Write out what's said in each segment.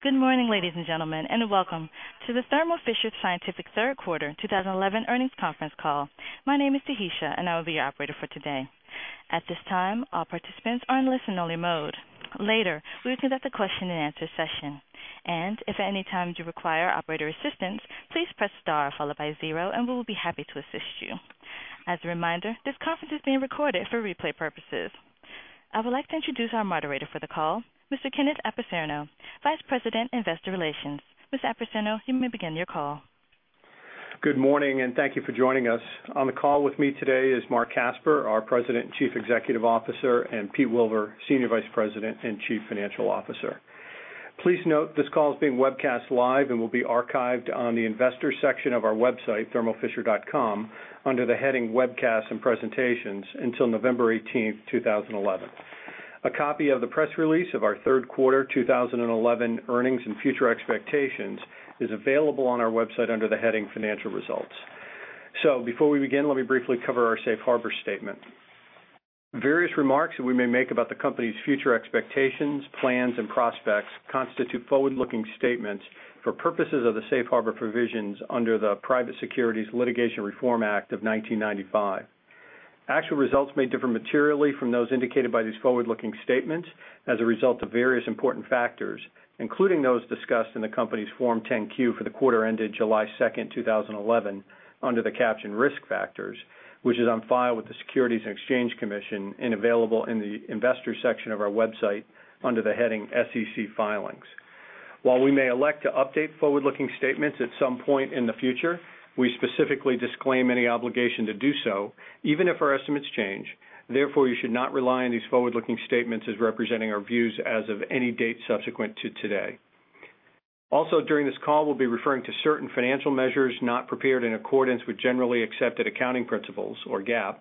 Good morning, ladies and gentlemen, and welcome to the Thermo Fisher Scientific Third Quarter 2011 Earnings Conference Call. My name is Tahesha, and I will be your operator for today. At this time, all participants are in listen-only mode. Later, we will conduct a question-and-answer session, and if at any time you require operator assistance, please press star followed by zero, and we will be happy to assist you. As a reminder, this conference is being recorded for replay purposes. I would like to introduce our moderator for the call, Mr. Kenneth Apicerno, Vice President, Investor Relations. Mr. Appicerno, you may begin your call. Good morning, and thank you for joining us. On the call with me today is Marc Casper, our President and Chief Executive Officer, and Peter Wilver, Senior Vice President and Chief Financial Officer. Please note this call is being webcast live and will be archived on the Investors section of our website, thermofisher.com, under the heading "Webcasts and Presentations" until November 18, 2011. A copy of the press release of our Third Quarter 2011 Earnings and Future Expectations is available on our website under the heading "Financial Results." Before we begin, let me briefly cover our Safe Harbor Statement. Various remarks that we may make about the company's future expectations, plans, and prospects constitute forward-looking statements for purposes of the Safe Harbor Provisions under the Private Securities Litigation Reform Act of 1995. Actual results may differ materially from those indicated by these forward-looking statements as a result of various important factors, including those discussed in the company's Form 10-Q for the quarter ended July 2, 2011, under the caption "Risk Factors," which is on file with the Securities and Exchange Commission and available in the Investors section of our website under the heading "SEC Filings." While we may elect to update forward-looking statements at some point in the future, we specifically disclaim any obligation to do so, even if our estimates change. Therefore, you should not rely on these forward-looking statements as representing our views as of any date subsequent to today. Also, during this call, we will be referring to certain financial measures not prepared in accordance with generally accepted accounting principles, or GAAP.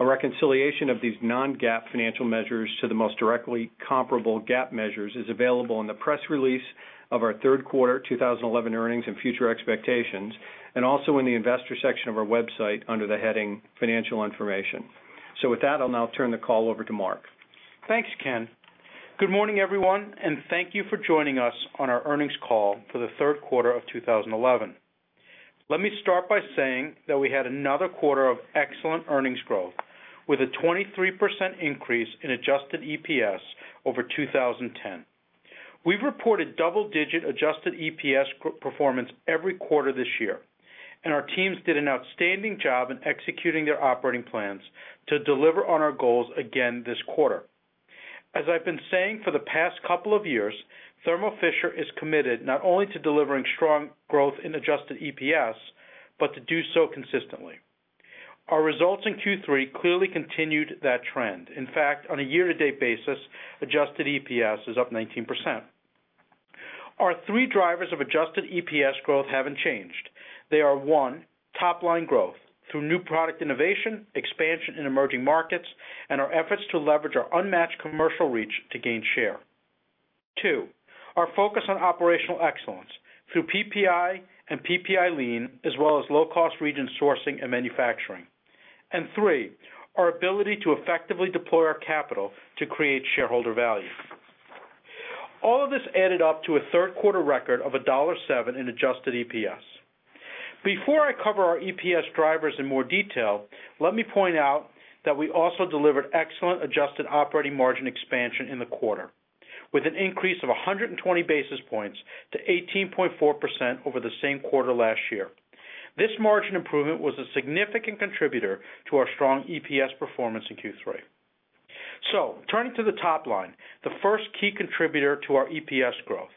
A reconciliation of these non-GAAP financial measures to the most directly comparable GAAP measures is available in the press release of our Third Quarter 2011 Earnings and Future Expectations, and also in the Investors section of our website under the heading "Financial Information." With that, I will now turn the call over to Marc. Thanks, Ken. Good morning, everyone, and thank you for joining us on our earnings call for the third quarter of 2011. Let me start by saying that we had another quarter of excellent earnings growth, with a 23% increase in adjusted EPS over 2010. We have reported double-digit adjusted EPS performance every quarter this year, and our teams did an outstanding job in executing their operating plans to deliver on our goals again this quarter. As I have been saying for the past couple of years, Thermo Fisher is committed not only to delivering strong growth in adjusted EPS, but to do so consistently. Our results in Q3 clearly continued that trend. In fact, on a year-to-date basis, adjusted EPS is up 19%. Our three drivers of adjusted EPS growth haven't changed. They are, one, top-line growth through new product innovation, expansion in emerging markets, and our efforts to leverage our unmatched commercial reach to gain share. Two, our focus on operational excellence through PPI and PPI lean, as well as low-cost region sourcing and manufacturing. Three, our ability to effectively deploy our capital to create shareholder value. All of this added up to a third-quarter record of $1.07 in adjusted EPS. Before I cover our EPS drivers in more detail, let me point out that we also delivered excellent adjusted operating margin expansion in the quarter, with an increase of 120 basis points to 18.4% over the same quarter last year. This margin improvement was a significant contributor to our strong EPS performance in Q3. Turning to the top-line, the first key contributor to our EPS growth,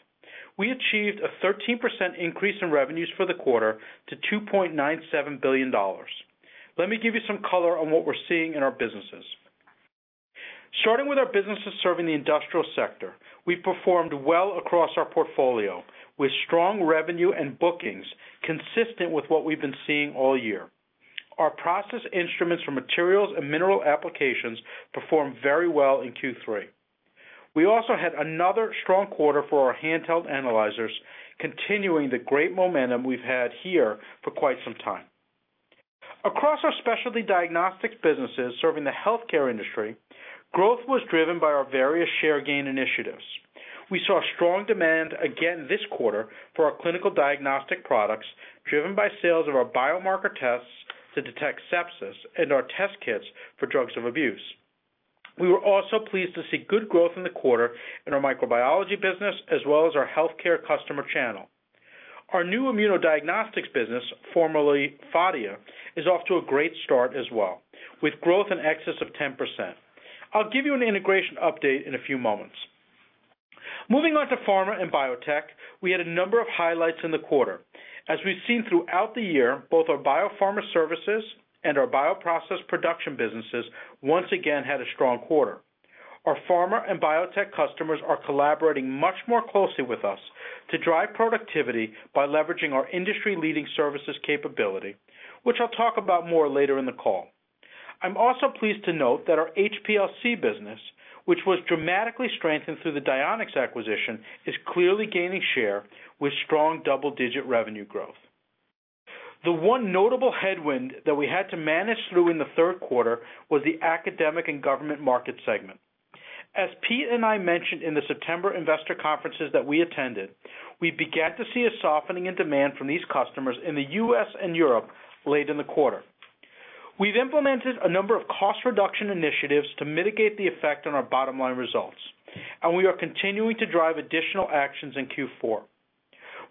we achieved a 13% increase in revenues for the quarter to $2.97 billion. Let me give you some color on what we're seeing in our businesses. Starting with our businesses serving the industrial sector, we performed well across our portfolio, with strong revenue and bookings consistent with what we have been seeing all year. Our process instruments for materials and mineral applications performed very well in Q3. We also had another strong quarter for our handheld analyzers, continuing the great momentum we have had here for quite some time. Across our specialty diagnostics businesses serving the healthcare industry, growth was driven by our various share gain initiatives. We saw strong demand again this quarter for our clinical diagnostic products, driven by sales of our biomarker tests to detect sepsis and our test kits for drugs of abuse. We were also pleased to see good growth in the quarter in our microbiology business, as well as our healthcare customer channel. Our new immunodiagnostics business, formerly Phadia, is off to a great start as well, with growth in excess of 10%. I will give you an integration update in a few moments. Moving on to pharma and biotech, we had a number of highlights in the quarter. As we have seen throughout the year, both our biopharma services and our bioprocess production businesses once again had a strong quarter. Our pharma and biotech customers are collaborating much more closely with us to drive productivity by leveraging our industry-leading services capability, which I will talk about more later in the call. I am also pleased to note that our HPLC business, which was dramatically strengthened through the Dionex acquisition, is clearly gaining share with strong double-digit revenue growth. The one notable headwind that we had to manage through in the third quarter was the academic and government market segment. As Pete and I mentioned in the September Investor Conferences that we attended, we began to see a softening in demand from these customers in the U.S. and Europe late in the quarter. We have implemented a number of cost-reduction initiatives to mitigate the effect on our bottom-line results, and we are continuing to drive additional actions in Q4.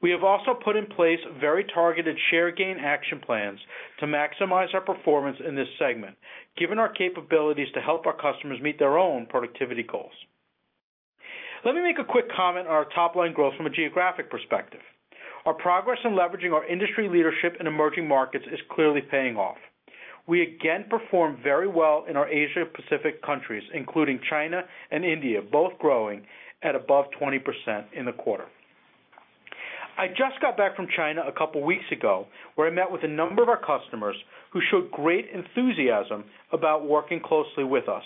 We have also put in place very targeted share gain action plans to maximize our performance in this segment, given our capabilities to help our customers meet their own productivity goals. Let me make a quick comment on our top-line growth from a geographic perspective. Our progress in leveraging our industry leadership in emerging markets is clearly paying off. We again performed very well in our Asia-Pacific countries, including China and India, both growing at above 20% in the quarter. I just got back from China a couple of weeks ago, where I met with a number of our customers who showed great enthusiasm about working closely with us.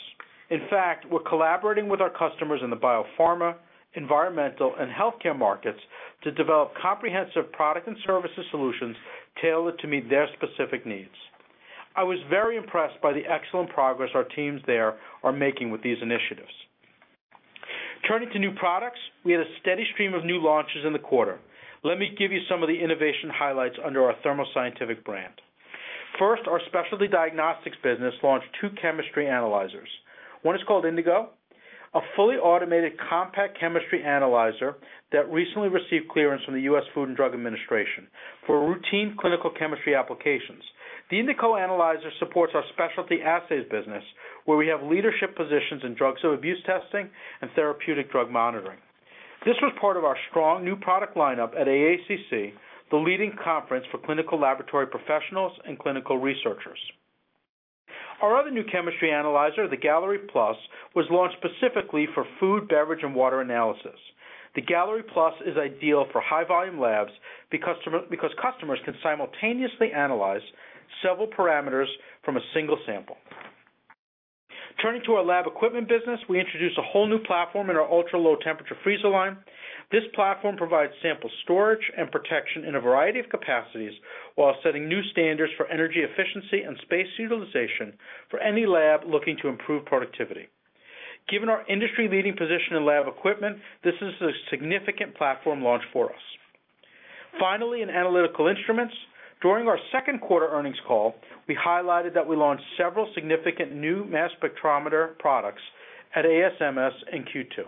In fact, we are collaborating with our customers in the biopharma, environmental, and healthcare markets to develop comprehensive product and services solutions tailored to meet their specific needs. I was very impressed by the excellent progress our teams there are making with these initiatives. Turning to new products, we had a steady stream of new launches in the quarter. Let me give you some of the innovation highlights under our Thermo Scientific brand. First, our specialty diagnostics business launched two chemistry analyzers. One is called Indigo, a fully automated compact chemistry analyzer that recently received clearance from the U.S. Food and Drug Administration for routine clinical chemistry applications. The Indigo analyzer supports our specialty assays business, where we have leadership positions in drugs of abuse testing and therapeutic drug monitoring. This was part of our strong new product lineup at AACC, the leading conference for clinical laboratory professionals and clinical researchers. Our other new chemistry analyzer, the Gallery Plus, was launched specifically for food, beverage, and water analysis. The Gallery Plus is ideal for high-volume labs because customers can simultaneously analyze several parameters from a single sample. Turning to our lab equipment business, we introduced a whole new platform in our ultra-low-temperature freezer line. This platform provides sample storage and protection in a variety of capacities while setting new standards for energy efficiency and space utilization for any lab looking to improve productivity. Given our industry-leading position in lab equipment, this is a significant platform launch for us. Finally, in analytical instruments, during our Second Quarter Earnings Call, we highlighted that we launched several significant new mass spectrometer products at ASMS in Q2.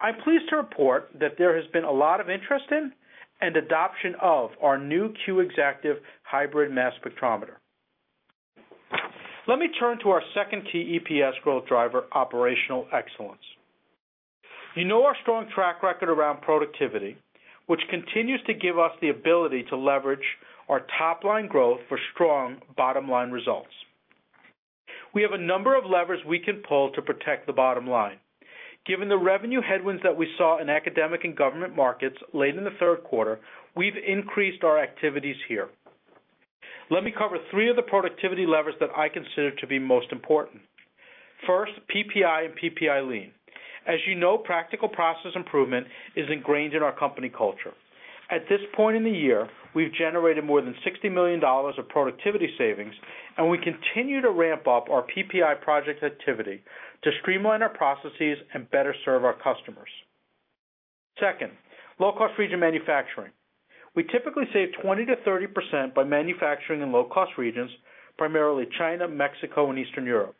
I am pleased to report that there has been a lot of interest in and adoption of our new Q Exactive hybrid mass spectrometer. Let me turn to our second key EPS growth driver, operational excellence. You know our strong track record around productivity, which continues to give us the ability to leverage our top-line growth for strong bottom-line results. We have a number of levers we can pull to protect the bottom line. Given the revenue headwinds that we saw in academic and government markets late in the third quarter, we have increased our activities here. Let me cover three of the productivity levers that I consider to be most important. First, PPI and PPI lean. As you know, Practical Process Improvement is ingrained in our company culture. At this point in the year, we have generated more than $60 million of productivity savings, and we continue to ramp up our PPI project activity to streamline our processes and better serve our customers. Second, low-cost region manufacturing. We typically save 20%-30% by manufacturing in low-cost regions, primarily China, Mexico, and Eastern Europe.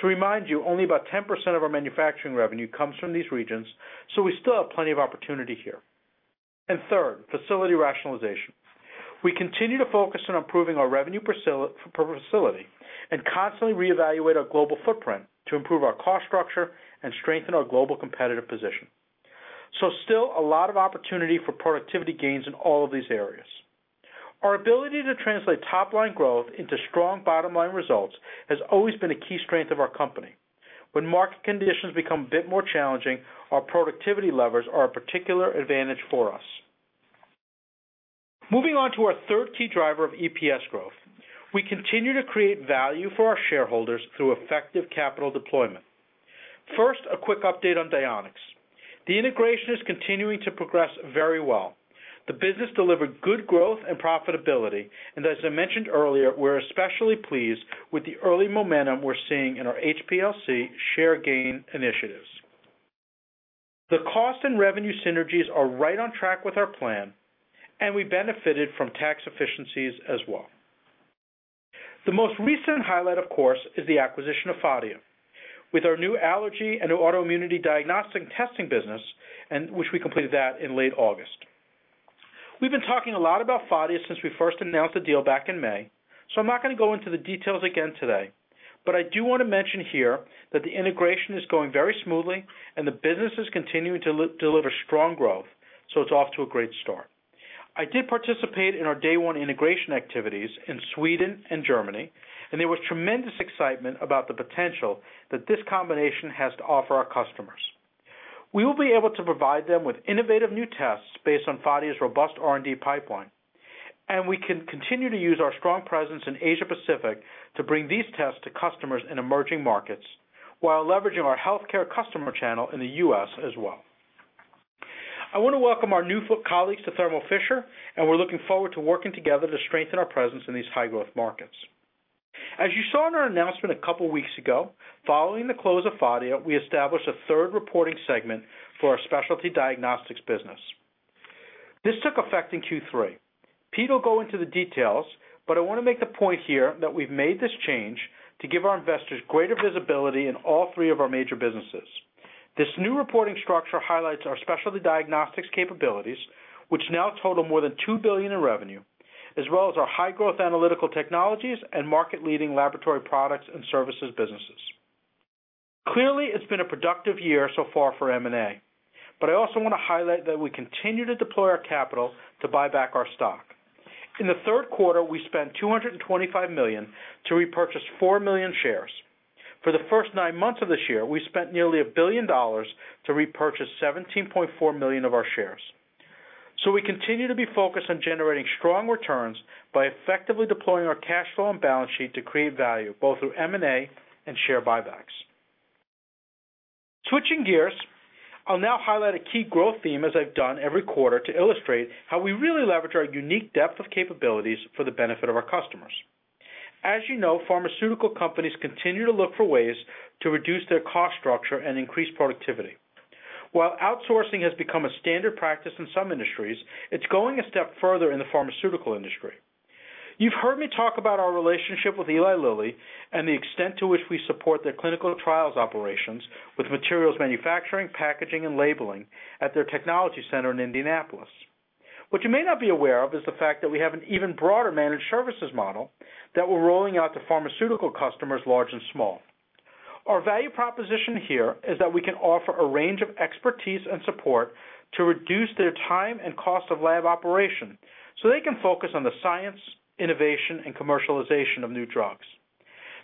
To remind you, only about 10% of our manufacturing revenue comes from these regions, so we still have plenty of opportunity here. Third, facility rationalization. We continue to focus on improving our revenue per facility and constantly reevaluate our global footprint to improve our cost structure and strengthen our global competitive position. There is still a lot of opportunity for productivity gains in all of these areas. Our ability to translate top-line growth into strong bottom-line results has always been a key strength of our company. When market conditions become a bit more challenging, our productivity levers are a particular advantage for us. Moving on to our third key driver of EPS growth, we continue to create value for our shareholders through effective capital deployment. First, a quick update on Dionex. The integration is continuing to progress very well. The business delivered good growth and profitability, and as I mentioned earlier, we are especially pleased with the early momentum we are seeing in our HPLC share gain initiatives. The cost and revenue synergies are right on track with our plan, and we benefited from tax efficiencies as well. The most recent highlight, of course, is the acquisition of Phadia, with our new allergy and autoimmunity diagnostic testing business, which we completed in late August. We have been talking a lot about Phadia since we first announced the deal back in May, so I am not going to go into the details again today, but I do want to mention here that the integration is going very smoothly, and the business is continuing to deliver strong growth, so it is off to a great start. I did participate in our day-one integration activities in Sweden and Germany, and there was tremendous excitement about the potential that this combination has to offer our customers. We will be able to provide them with innovative new tests based on Phadia's robust R&D pipeline, and we can continue to use our strong presence in Asia-Pacific to bring these tests to customers in emerging markets while leveraging our healthcare customer channel in the U.S. as well. I want to welcome our new colleagues to Thermo Fisher, and we are looking forward to working together to strengthen our presence in these high-growth markets. As you saw in our announcement a couple of weeks ago, following the close of Phadia, we established a third reporting segment for our specialty diagnostics business. This took effect in Q3. Pete will go into the details, but I want to make the point here that we have made this change to give our investors greater visibility in all three of our major businesses. This new reporting structure highlights our specialty diagnostics capabilities, which now total more than $2 billion in revenue, as well as our high-growth analytical technologies and market-leading laboratory products and services businesses. Clearly, it has been a productive year so far for M&A, but I also want to highlight that we continue to deploy our capital to buy back our stock. In the third quarter, we spent $225 million to repurchase 4 million shares. For the first nine months of this year, we spent nearly $1 billion to repurchase 17.4 million of our shares. We continue to be focused on generating strong returns by effectively deploying our cash flow and balance sheet to create value both through M&A and share buybacks. Switching gears, I will now highlight a key growth theme, as I have done every quarter, to illustrate how we really leverage our unique depth of capabilities for the benefit of our customers. As you know, pharmaceutical companies continue to look for ways to reduce their cost structure and increase productivity. While outsourcing has become a standard practice in some industries, it is going a step further in the pharmaceutical industry. You have heard me talk about our relationship with Eli Lilly and the extent to which we support their clinical trials operations with materials manufacturing, packaging, and labeling at their technology center in Indianapolis. What you may not be aware of is the fact that we have an even broader managed services model that we are rolling out to pharmaceutical customers large and small. Our value proposition here is that we can offer a range of expertise and support to reduce their time and cost of lab operation, so they can focus on the science, innovation, and commercialization of new drugs.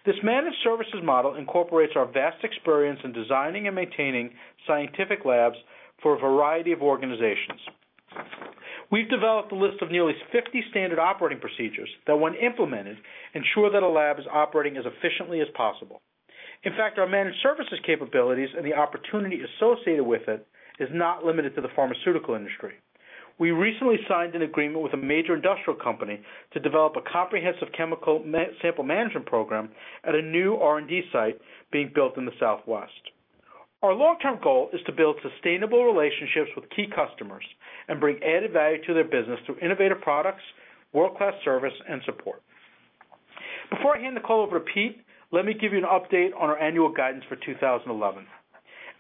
This managed services model incorporates our vast experience in designing and maintaining scientific labs for a variety of organizations. We have developed a list of nearly 50 standard operating procedures that, when implemented, ensure that a lab is operating as efficiently as possible. In fact, our managed services capabilities and the opportunity associated with it are not limited to the pharmaceutical industry. We recently signed an agreement with a major industrial company to develop a comprehensive chemical sample management program at a new R&D site being built in the Southwest. Our long-term goal is to build sustainable relationships with key customers and bring added value to their business through innovative products, world-class service, and support. Before I hand the call over to Pete, let me give you an update on our annual guidance for 2011.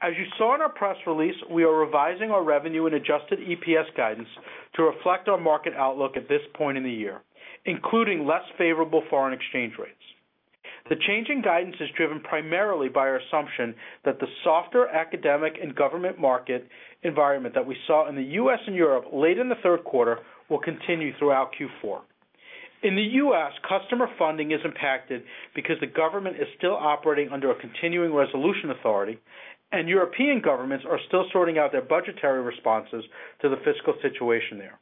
As you saw in our press release, we are revising our revenue and adjusted EPS guidance to reflect our market outlook at this point in the year, including less favorable foreign exchange rates. The change in guidance is driven primarily by our assumption that the softer academic and government market environment that we saw in the U.S. and Europe late in the third quarter will continue throughout Q4. In the U.S., customer funding is impacted because the government is still operating under a continuing resolution authority, and European governments are still sorting out their budgetary responses to the fiscal situation there.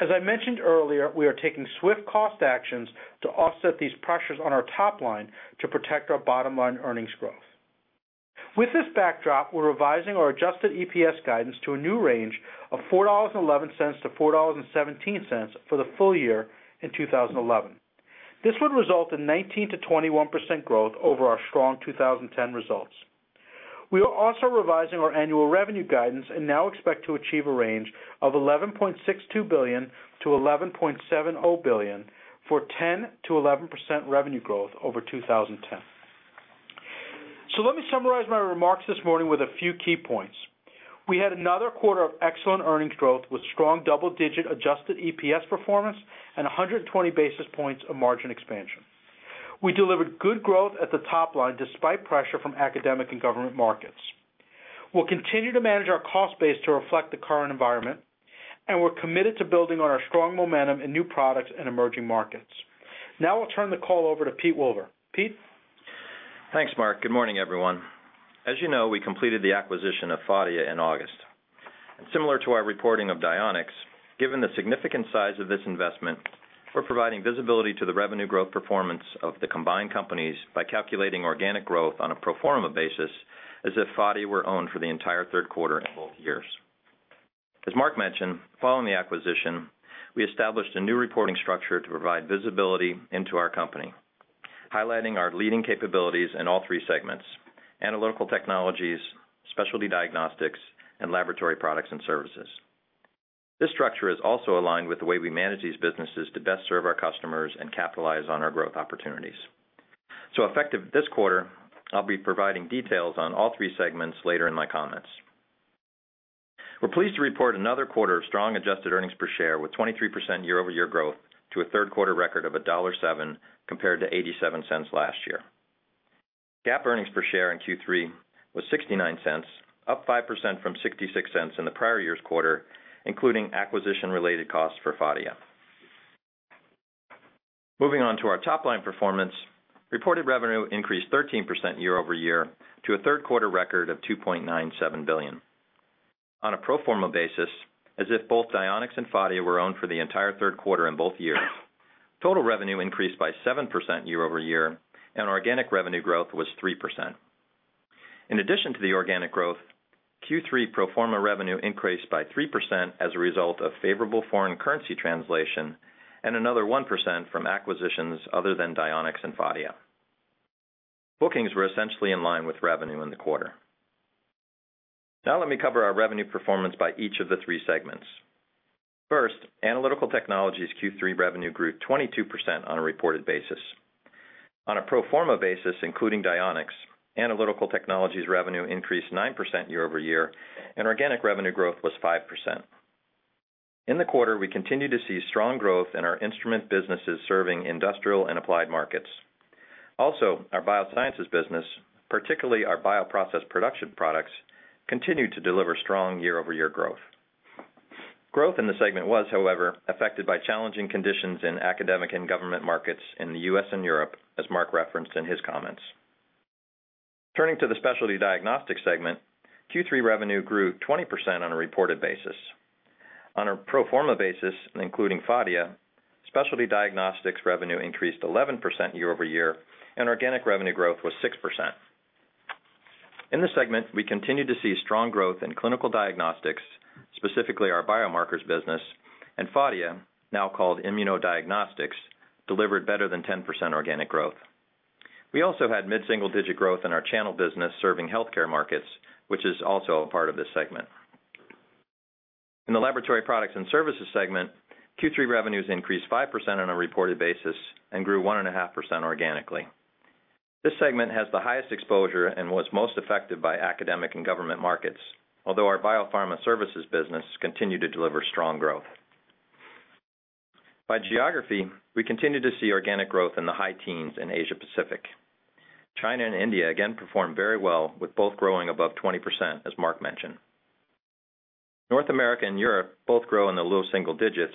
As I mentioned earlier, we are taking swift cost actions to offset these pressures on our top-line to protect our bottom-line earnings growth. With this backdrop, we are revising our adjusted EPS guidance to a new range of $4.11-$4.17 for the full year in 2011. This would result in 19%-21% growth over our strong 2010 results. We are also revising our annual revenue guidance and now expect to achieve a range of $11.62 billion-$11.70 billion for 10%-11% revenue growth over 2010. Let me summarize my remarks this morning with a few key points. We had another quarter of excellent earnings growth with strong double-digit adjusted EPS performance and 120 basis points of margin expansion. We delivered good growth at the top-line despite pressure from academic and government markets. We will continue to manage our cost base to reflect the current environment, and we are committed to building on our strong momentum in new products and emerging markets. Now, I will turn the call over to Peter Wilver. Pete. Thanks, Mark. Good morning, everyone. As you know, we completed the acquisition of Phadia in August. Similar to our reporting of Dionex, given the significant size of this investment, we are providing visibility to the revenue growth performance of the combined companies by calculating organic growth on a pro forma basis, as if Phadia were owned for the entire third quarter in both years. As Mark mentioned, following the acquisition, we established a new reporting structure to provide visibility into our company, highlighting our leading capabilities in all three segments: analytical technologies, specialty diagnostics, and laboratory products and services. This structure is also aligned with the way we manage these businesses to best serve our customers and capitalize on our growth opportunities. Effective this quarter, I will be providing details on all three segments later in my comments. We are pleased to report another quarter of strong adjusted earnings per share (EPS), with 23% year-over-year growth to a third-quarter record of $1.07 compared to $0.87 last year. GAAP earnings per share in Q3 was $0.69, up 5% from $0.66 in the prior year's quarter, including acquisition-related costs for Phadia. Moving on to our top-line performance, reported revenue increased 13% year-over-year to a third-quarter record of $2.97 billion. On a pro forma basis, as if both Dionex and Phadia were owned for the entire third quarter in both years, total revenue increased by 7% year-over-year, and organic revenue growth was 3%. In addition to the organic growth, Q3 pro forma revenue increased by 3% as a result of favorable foreign currency translation and another 1% from acquisitions other than Dionex and Phadia. Bookings were essentially in line with revenue in the quarter. Now, let me cover our revenue performance by each of the three segments. First, analytical technologies Q3 revenue grew 22% on a reported basis. On a pro forma basis, including Dionex, analytical technologies revenue increased 9% year-over-year, and organic revenue growth was 5%. In the quarter, we continued to see strong growth in our instrument businesses serving industrial and applied markets. Also, our biosciences business, particularly our bioprocess production products, continued to deliver strong year-over-year growth. Growth in the segment was, however, affected by challenging conditions in academic and government markets in the U.S. and Europe, as Mark referenced in his comments. Turning to the specialty diagnostics segment, Q3 revenue grew 20% on a reported basis. On a pro forma basis, including the immunodiagnostics business, specialty diagnostics revenue increased 11% year-over-year, and organic revenue growth was 6%. In the segment, we continued to see strong growth in clinical diagnostics, specifically our biomarkers business, and the immunodiagnostics business delivered better than 10% organic growth. We also had mid-single-digit growth in our channel business serving healthcare markets, which is also a part of this segment. In the laboratory products and services segment, Q3 revenues increased 5% on a reported basis and grew 1.5% organically. This segment has the highest exposure and was most affected by academic and government markets, although our biopharma services business continued to deliver strong growth. By geography, we continued to see organic growth in the high teens in Asia-Pacific. China and India again performed very well, with both growing above 20%, as Marc mentioned. North America and Europe both grew in the low single digits,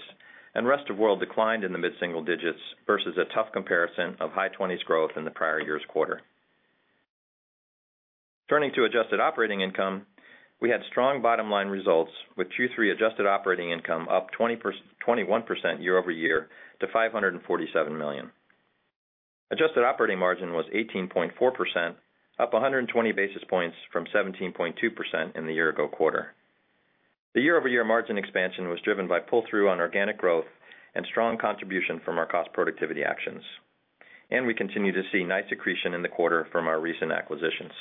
and the rest of the world declined in the mid-single digits versus a tough comparison of high 20s growth in the prior year's quarter. Turning to adjusted operating income, we had strong bottom-line results, with Q3 adjusted operating income up 21% year-over-year to $547 million. Adjusted operating margin was 18.4%, up 120 basis points from 17.2% in the year-ago quarter. The year-over-year margin expansion was driven by pull-through on organic growth and strong contribution from our cost productivity actions. We continued to see nice accretion in the quarter from our recent acquisitions.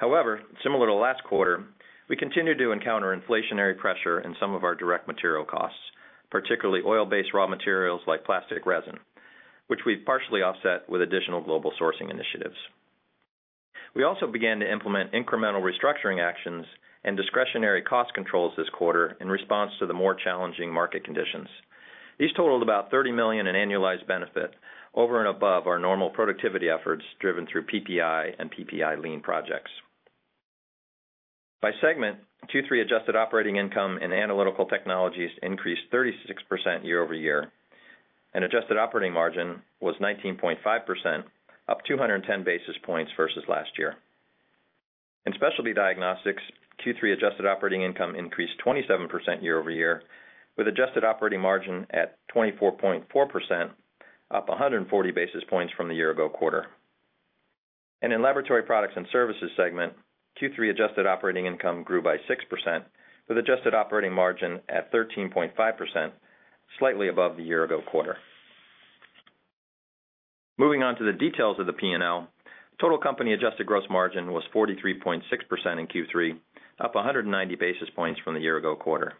However, similar to last quarter, we continued to encounter inflationary pressure in some of our direct material costs, particularly oil-based raw materials like plastic resin, which we have partially offset with additional global sourcing initiatives. We also began to implement incremental restructuring actions and discretionary cost controls this quarter in response to the more challenging market conditions. These totaled about $30 million in annualized benefit over and above our normal productivity efforts driven through PPI and PPI lean projects. By segment, Q3 adjusted operating income in analytical technologies increased 36% year-over-year, and adjusted operating margin was 19.5%, up 210 basis points versus last year. In specialty diagnostics, Q3 adjusted operating income increased 27% year-over-year, with adjusted operating margin at 24.4%, up 140 basis points from the year-ago quarter. In the laboratory products and services segment, Q3 adjusted operating income grew by 6%, with adjusted operating margin at 13.5%, slightly above the year-ago quarter. Moving on to the details of the P&L, total company adjusted gross margin was 43.6% in Q3, up 190 basis points from the year-ago quarter.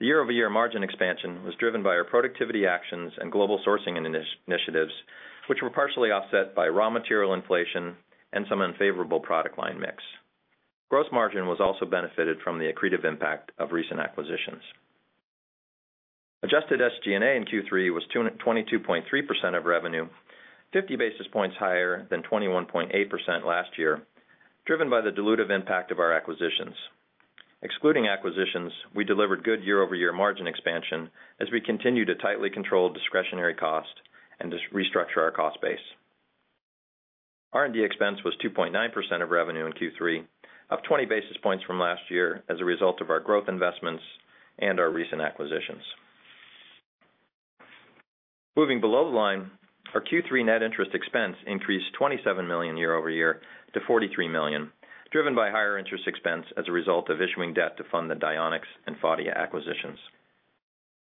The year-over-year margin expansion was driven by our productivity actions and global sourcing initiatives, which were partially offset by raw material inflation and some unfavorable product-line mix. Gross margin also benefited from the accretive impact of recent acquisitions. Adjusted SG&A in Q3 was 22.3% of revenue, 50 basis points higher than 21.8% last year, driven by the dilutive impact of our acquisitions. Excluding acquisitions, we delivered good year-over-year margin expansion as we continued to tightly control discretionary costs and restructure our cost base. R&D expense was 2.9% of revenue in Q3, up 20 basis points from last year as a result of our growth investments and our recent acquisitions. Moving below the line, our Q3 net interest expense increased $27 million year-over-year to $43 million, driven by higher interest expense as a result of issuing debt to fund the Dionex and Phadia acquisitions.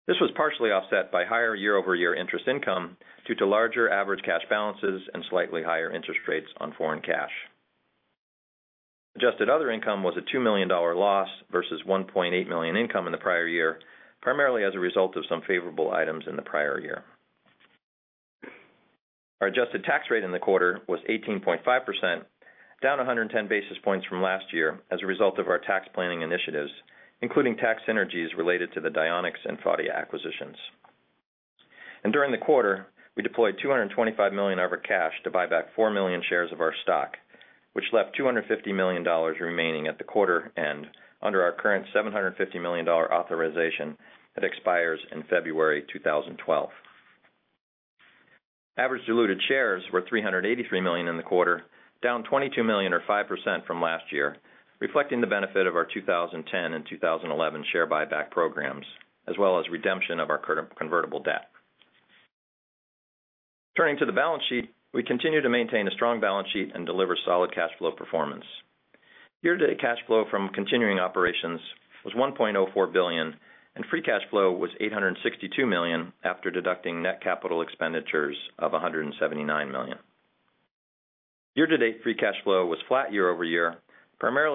This was partially offset by higher year-over-year interest income due to larger average cash balances and slightly higher interest rates on foreign cash. Adjusted other income was a $2 million loss versus $1.8 million income in the prior year, primarily as a result of some favorable items in the prior year. Our adjusted tax rate in the quarter was 18.5%, down 110 basis points from last year as a result of our tax planning initiatives, including tax synergies related to the Dionex and Phadia acquisitions. During the quarter, we deployed $225 million of our cash to buy back 4 million shares of our stock, which left $250 million remaining at the quarter end under our current $750 million authorization that expires in February 2012. Our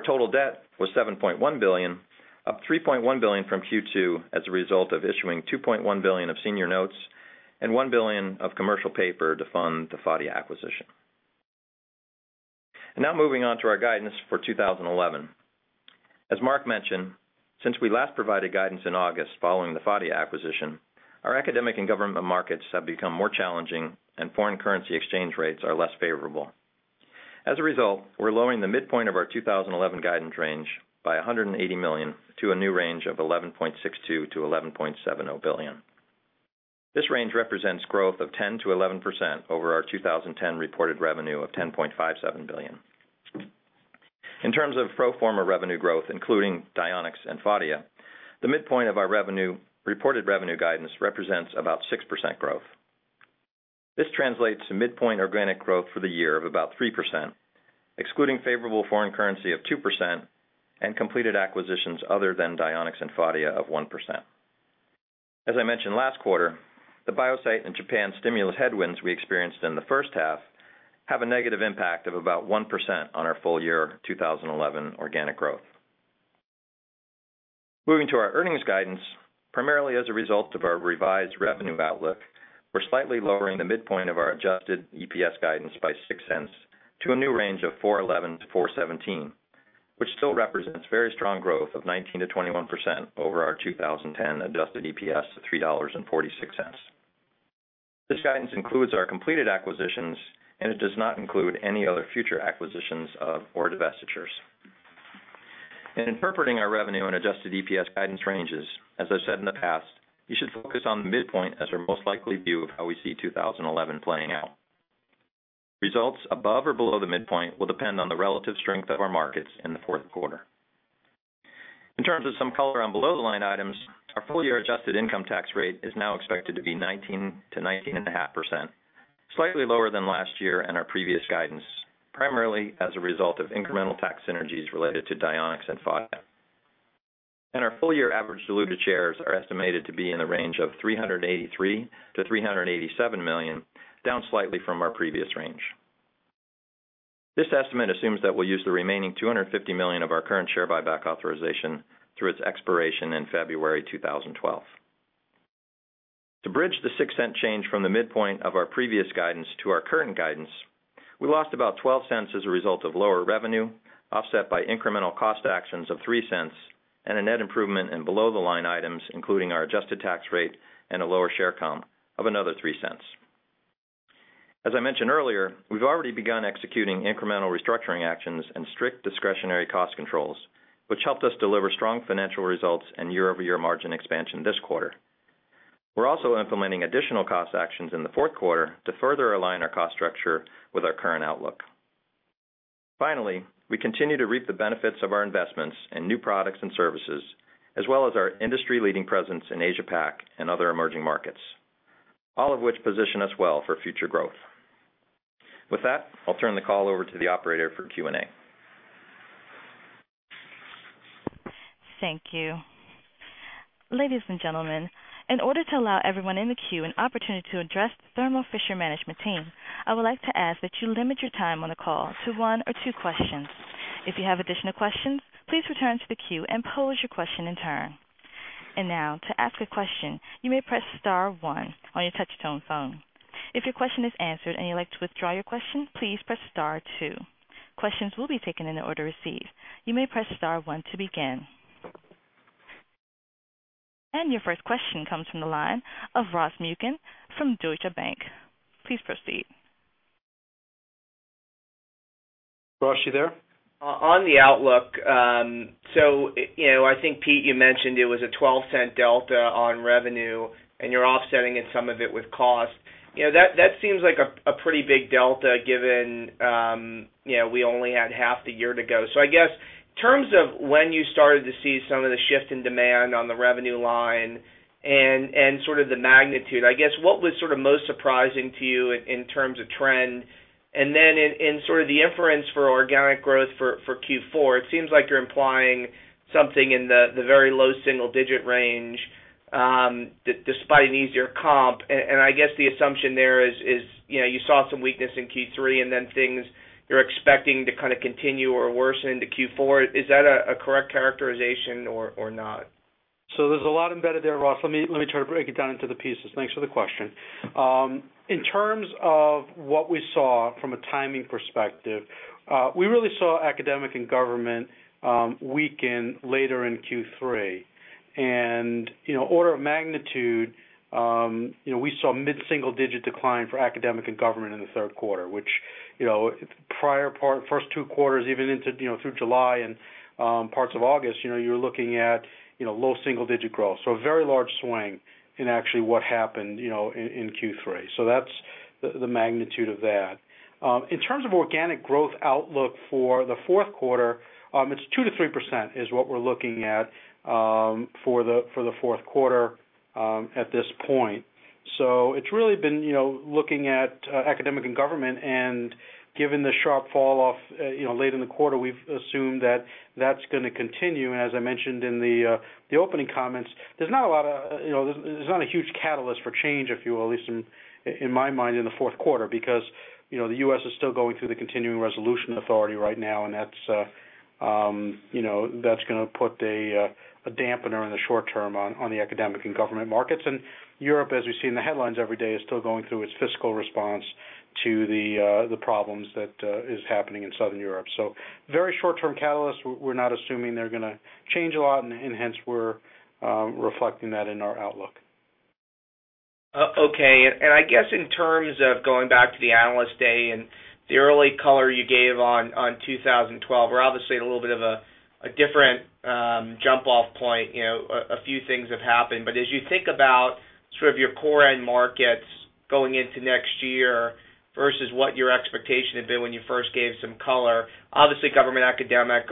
total debt was $7.1 billion, up $3.1 billion from Q2 as a result of issuing $2.1 billion of senior notes and $1 billion of commercial paper to fund the FATIA acquisition. Now, moving on to our guidance for 2011. As Mark mentioned, since we last provided guidance in August following the FATIA acquisition, our academic and government markets have become more challenging, and foreign currency exchange rates are less favorable. As a result, we are lowering the midpoint of our 2011 guidance range by $180 million to a new range of $11.62 billion-$11.70 billion. This range represents growth of 10%-11% over our 2010 reported revenue of $10.57 billion. In terms of pro forma revenue growth, including Dionex and FATIA, the midpoint of our reported revenue guidance represents about 6% growth. This translates to midpoint organic growth for the year of about 3%, excluding favorable foreign currency of 2% and completed acquisitions other than Dionex and FATIA of 1%. As I mentioned last quarter, the biopsy in Japan stimulus headwinds we experienced in the first half have a negative impact of about 1% on our full year 2011 organic growth. Moving to our earnings guidance, primarily as a result of our revised revenue outlook, we are slightly lowering the midpoint of our adjusted EPS guidance by $0.06 to a new range of $4.11-$4.17, which still represents very strong growth of 19%-21% over our 2010 adjusted EPS of $3.46. This guidance includes our completed acquisitions, and it does not include any other future acquisitions or divestitures. In interpreting our revenue and adjusted EPS guidance ranges, as I have said in the past, you should focus on the midpoint as our most likely view of how we see 2011 playing out. Results above or below the midpoint will depend on the relative strength of our markets in the fourth quarter. In terms of some color on below-the-line items, our full-year adjusted income tax rate is now expected to be 19%-19.5%, slightly lower than last year and our previous guidance, primarily as a result of incremental tax synergies related to Dionex and Phadia. Our full-year average diluted shares are estimated to be in the range of 383 million-387 million, down slightly from our previous range. This estimate assumes that we will use the remaining $250 million of our current share buyback authorization through its expiration in February 2012.To bridge the $0.06 change from the midpoint of our previous guidance to our current guidance, we lost about $0.12 as a result of lower revenue, offset by incremental cost actions of $0.03 and a net improvement in below-the-line items, including our adjusted tax rate and a lower share comp of another $0.03. As I mentioned earlier, we have already begun executing incremental restructuring actions and strict discretionary cost controls, which helped us deliver strong financial results and year-over-year margin expansion this quarter. We are also implementing additional cost actions in the fourth quarter to further align our cost structure with our current outlook. Finally, we continue to reap the benefits of our investments in new products and services, as well as our industry-leading presence in Asia-Pacific and other emerging markets, all of which position us well for future growth. With that, I will turn the call over to the operator for Q&A. Thank you. Ladies and gentlemen, in order to allow everyone in the queue an opportunity to address the Thermo Fisher management team, I would like to ask that you limit your time on the call to one or two questions. If you have additional questions, please return to the queue and pose your question in turn. To ask a question, you may press star one on your touch-tone phone. If your question is answered and you would like to withdraw your question, please press star two. Questions will be taken in order received. You may press star one to begin. Your first question comes from the line of Ross Mucken from Deutsche Bank. Please proceed. Ross, you there? On the outlook, I think, Pete, you mentioned it was a $0.12 delta on revenue, and you are offsetting some of it with cost. That seems like a pretty big delta given we only had half the year to go. In terms of when you started to see some of the shift in demand on the revenue line and the magnitude, what was most surprising to you in terms of trend? In the inference for organic growth for Q4, it seems like you are implying something in the very low single-digit range despite an easier comp. The assumption there is you saw some weakness in Q3, and then things you are expecting to kind of continue or worsen into Q4. Is that a correct characterization or not? There is a lot embedded there, Ross. Let me try to break it down into the pieces. Thanks for the question. In terms of what we saw from a timing perspective, we really saw academic and government weaken later in Q3. In order of magnitude, we saw a mid-single-digit decline for academic and government in the third quarter, which prior part, first two quarters, even through July and parts of August, you were looking at low single-digit growth. It was a very large swing in actually what happened in Q3. That is the magnitude of that. In terms of organic growth outlook for the fourth quarter, it's 2%-3% is what we are looking at for the fourth quarter at this point. It has really been looking at academic and government, and given the sharp fall off late in the quarter, we have assumed that is going to continue. As I mentioned in the opening comments, there is not a lot of, there is not a huge catalyst for change, if you will, at least in my mind in the fourth quarter because the U.S. is still going through the continuing resolution authority right now, and that is going to put a dampener in the short term on the academic and government markets. Europe, as we see in the headlines every day, is still going through its fiscal response to the problems that are happening in Southern Europe. Very short-term catalyst, we are not assuming they are going to change a lot, and hence we are reflecting that in our outlook. Okay. In terms of going back to the analyst day and the early color you gave on 2012, we are obviously in a little bit of a different jump-off point. A few things have happened. As you think about your core end markets going into next year versus what your expectation had been when you first gave some color, obviously government academic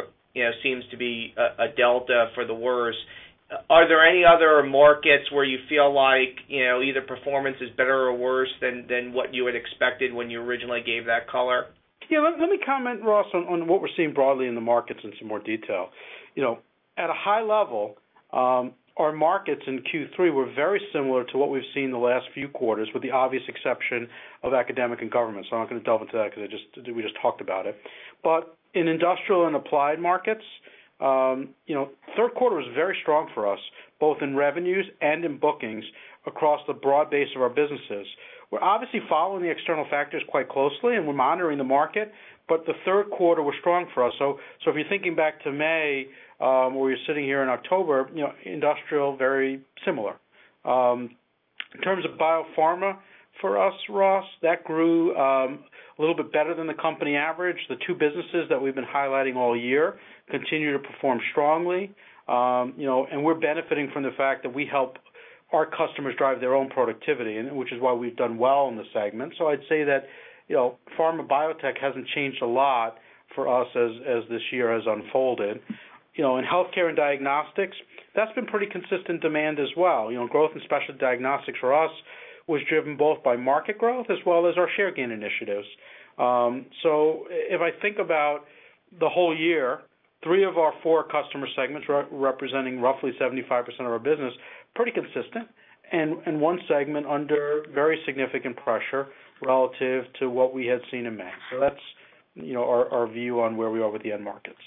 seems to be a delta for the worst. Are there any other markets where you feel like either performance is better or worse than what you had expected when you originally gave that color? Yeah, let me comment, Ross, on what we are seeing broadly in the markets in some more detail. At a high level, our markets in Q3 were very similar to what we have seen in the last few quarters, with the obvious exception of academic and government. I am not going to delve into that because we just talked about it. In industrial and applied markets, the third quarter was very strong for us, both in revenues and in bookings across the broad base of our businesses. We are obviously following the external factors quite closely, and we are monitoring the market, but the third quarter was strong for us. If you are thinking back to May, where you are sitting here in October, industrial very similar. In terms of biopharma for us, Ross, that grew a little bit better than the company average. The two businesses that we have been highlighting all year continue to perform strongly, and we are benefiting from the fact that we help our customers drive their own productivity, which is why we have done well in the segment. I would say that pharma biotech hasn't changed a lot for us as this year has unfolded. In healthcare and diagnostics, that's been pretty consistent demand as well. Growth in specialty diagnostics for us was driven both by market growth as well as our share gain initiatives. If I think about the whole year, three of our four customer segments representing roughly 75% of our business, pretty consistent, and one segment under very significant pressure relative to what we had seen in May. That's our view on where we are with the end markets.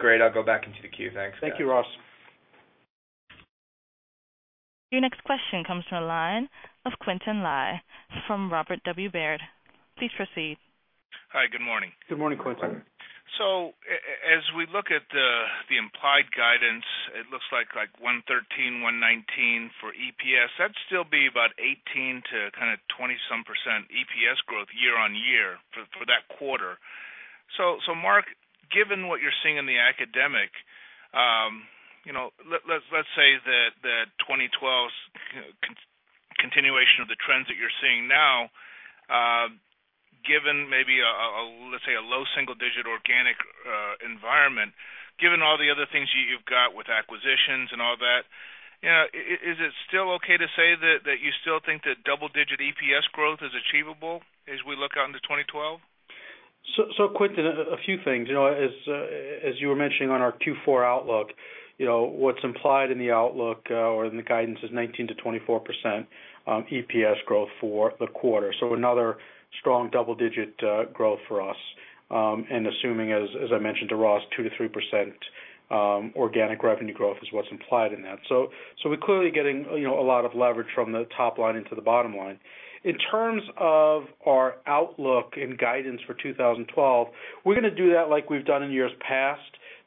Great. I will go back into the queue. Thanks, guys. Thank you, Ross. Your next question comes from a line of Quinten Lai from Robert W. Baird. Please proceed. Hi, good morning. Good morning, Quinten. As we look at the implied guidance, it looks like 113%, 119% for EPS. That would still be about 18% to kind of 20-some % EPS growth year-on-year for that quarter. Mark, given what you are seeing in the academic, let's say that 2012's continuation of the trends that you are seeing now, given maybe a, let's say, a low single-digit organic environment, given all the other things you have got with acquisitions and all that, you know, is it still okay to say that you still think that double-digit EPS growth is achievable as we look out into 2012? Quinten, a few things. As you were mentioning on our Q4 outlook, what is implied in the outlook or in the guidance is 19%-24% EPS growth for the quarter. Another strong double-digit growth for us, and assuming, as I mentioned to Ross, 2%-3% organic revenue growth is what is implied in that. We are clearly getting a lot of leverage from the top line into the bottom line. In terms of our outlook and guidance for 2012, we are going to do that like we have done in years past,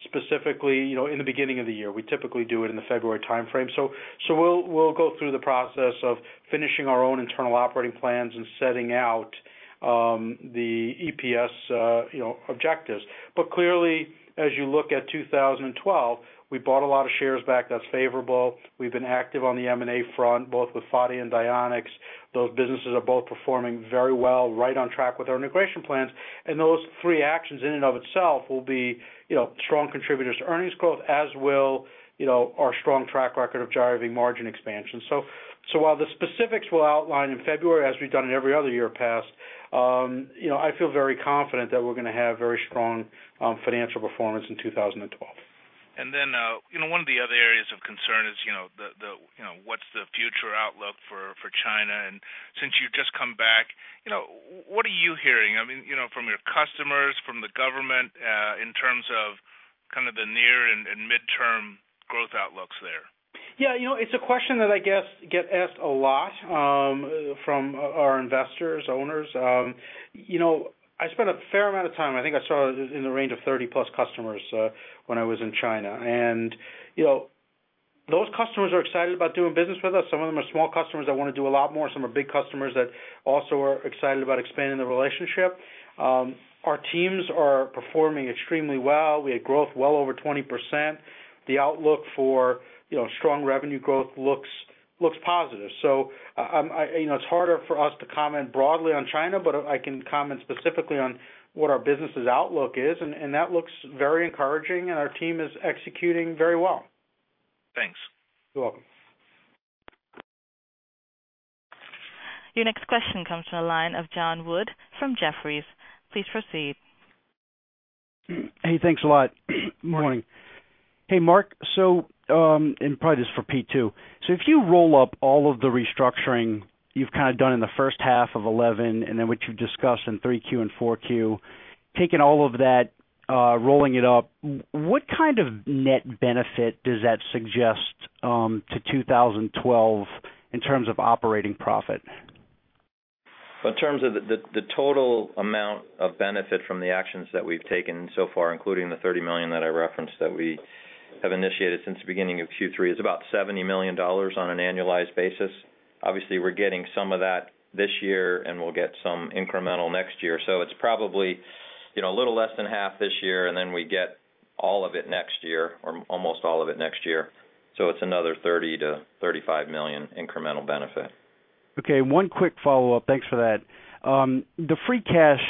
specifically in the beginning of the year. We typically do it in the February timeframe. We will go through the process of finishing our own internal operating plans and setting out the EPS objectives. Clearly, as you look at 2012, we bought a lot of shares back that's favorable. We have been active on the M&A front, both with Phadia and Dionex. Those businesses are both performing very well, right on track with our integration plans. Those three actions, in and of itself, will be strong contributors to earnings growth, as will our strong track record of driving margin expansion. While the specifics we will outline in February, as we have done in every other year past, I feel very confident that we are going to have very strong financial performance in 2012. One of the other areas of concern is what is the future outlook for China. Since you have just come back, what are you hearing from your customers, from the government, in terms of the near and mid-term growth outlooks there? Yeah, you know, it's a question that I guess gets asked a lot from our investors, owners. I spent a fair amount of time, I think I saw in the range of 30+ customers when I was in China. Those customers are excited about doing business with us. Some of them are small customers that want to do a lot more. Some are big customers that also are excited about expanding the relationship. Our teams are performing extremely well. We had growth well over 20%. The outlook for strong revenue growth looks positive. It's harder for us to comment broadly on China, but I can comment specifically on what our business's outlook is, and that looks very encouraging, and our team is executing very well. Thanks. You are welcome. Your next question comes from a line of Jon Wood from Jefferies. Please proceed. Hey, thanks a lot. Good morning. Hey, Marc, this is probably for Pete too. If you roll up all of the restructuring you have done in the first half of 2011 and then what you have discussed in 3Q and 4Q, taking all of that, rolling it up, what kind of net benefit does that suggest to 2012 in terms of operating profit? In terms of the total amount of benefit from the actions that we have taken so far, including the $30 million that I referenced that we have initiated since the beginning of Q3, it is about $70 million on an annualized basis. Obviously, we are getting some of that this year, and we will get some incremental next year. It is probably a little less than half this year, and then we get all of it next year or almost all of it next year. It is another $30 million-$35 million incremental benefit. Okay, one quick follow-up. Thanks for that. The free cash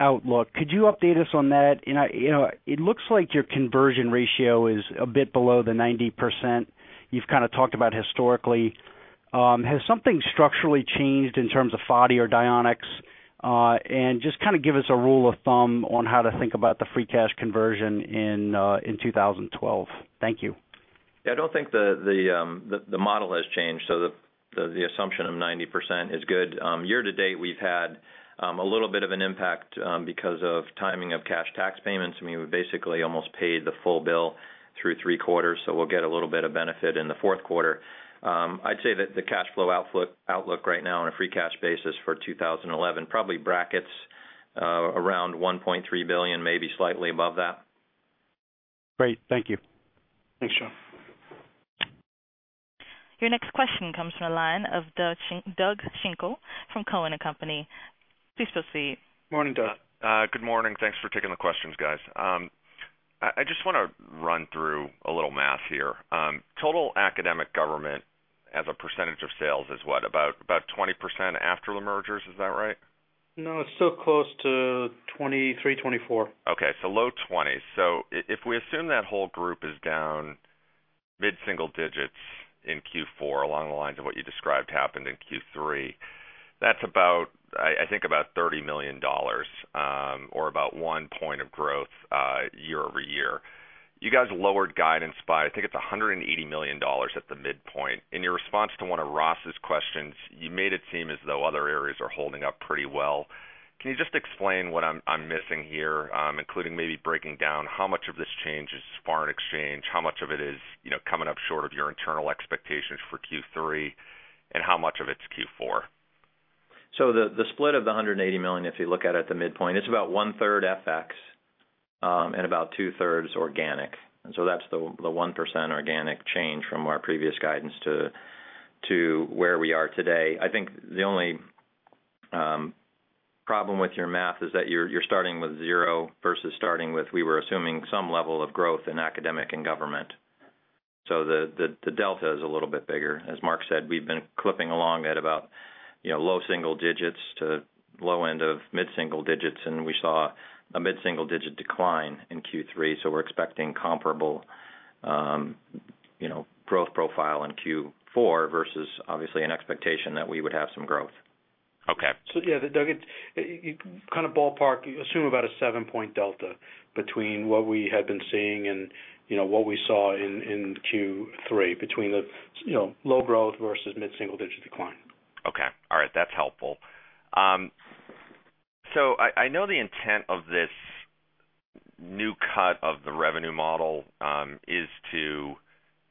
outlook, could you update us on that? It looks like your conversion ratio is a bit below the 90% you have kind of talked about historically. Has something structurally changed in terms of Phadia or Dionex? Just kind of give us a rule of thumb on how to think about the free cash conversion in 2012. Thank you. Yeah, I don't think the model has changed. The assumption of 90% is good. Year to date, we have had a little bit of an impact because of timing of cash tax payments. I mean, we basically almost paid the full bill through three quarters, so we will get a little bit of benefit in the fourth quarter. I would say that the cash flow outlook right now on a free cash basis for 2011 is probably around $1.3 billion, maybe slightly above that. Great, thank you. Thanks, Jon. Your next question comes from a line of Doug Schenkel from Cowen & Co. Please proceed. Morning, Doug. Good morning. Thanks for taking the questions, guys. I just want to run through a little math here. Total academic government as a percentage of sales is what, about 20% after the mergers, is that right? No, it's still close to 23% or 24%. Okay, so low 20%. If we assume that whole group is down mid-single digits in Q4, along the lines of what you described happened in Q3, that's about, I think, about $30 million or about one point of growth year-over-year. You guys lowered guidance by, I think it's $180 million at the midpoint. In your response to one of Ross's questions, you made it seem as though other areas are holding up pretty well. Can you just explain what I am missing here, including maybe breaking down how much of this change is foreign exchange, how much of it is coming up short of your internal expectations for Q3, and how much of it is Q4? The split of the $180 million, if you look at it at the midpoint, is about 1/3 FX and about 2/3 organic. That's the 1% organic change from our previous guidance to where we are today. I think the only problem with your math is that you are starting with zero versus starting with we were assuming some level of growth in academic and government. The delta is a little bit bigger. As Marc said, we have been clipping along at about low single digits to low end of mid-single digits, and we saw a mid-single digit decline in Q3. We are expecting comparable growth profile in Q4 versus obviously an expectation that we would have some growth. Okay. Yeah, Doug, kind of ballpark, assume about a 7-point delta between what we had been seeing and what we saw in Q3, between the low growth versus mid-single digit decline. Okay, all right, that's helpful. I know the intent of this new cut of the revenue model is to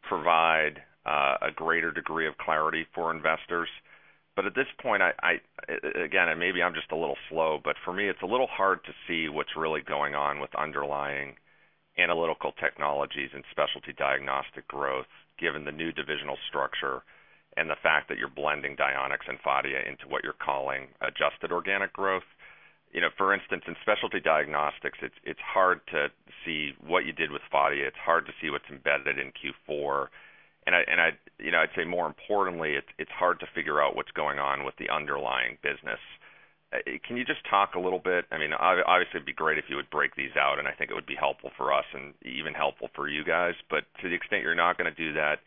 provide a greater degree of clarity for investors. At this point, again, and maybe I am just a little slow, but for me, it's a little hard to see what is really going on with underlying analytical technologies and specialty diagnostics growth, given the new divisional structure and the fact that you are blending Dionex and Phadia into what you are calling adjusted organic growth. For instance, in specialty diagnostics, it's hard to see what you did with Phadia. It's hard to see what is embedded in Q4. I would say, more importantly, it's hard to figure out what is going on with the underlying business. Can you just talk a little bit? Obviously, it would be great if you would break these out, and I think it would be helpful for us and even helpful for you guys. To the extent you are not going to do that,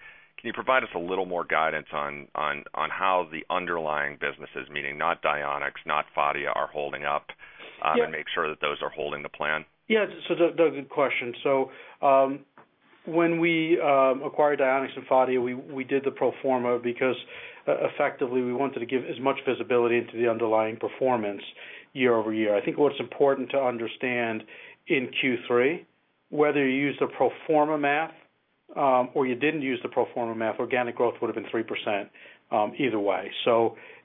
can you provide us a little more guidance on how the underlying businesses, meaning not Dionex, not Phadia, are holding up and make sure that those are holding the plan? Yeah, Doug, good question. When we acquired Dionex and Phadia, we did the pro forma because effectively we wanted to give as much visibility into the underlying performance year-over-year. I think what is important to understand in Q3, whether you use the pro forma math or you didn't use the pro forma math, organic growth would have been 3% either way.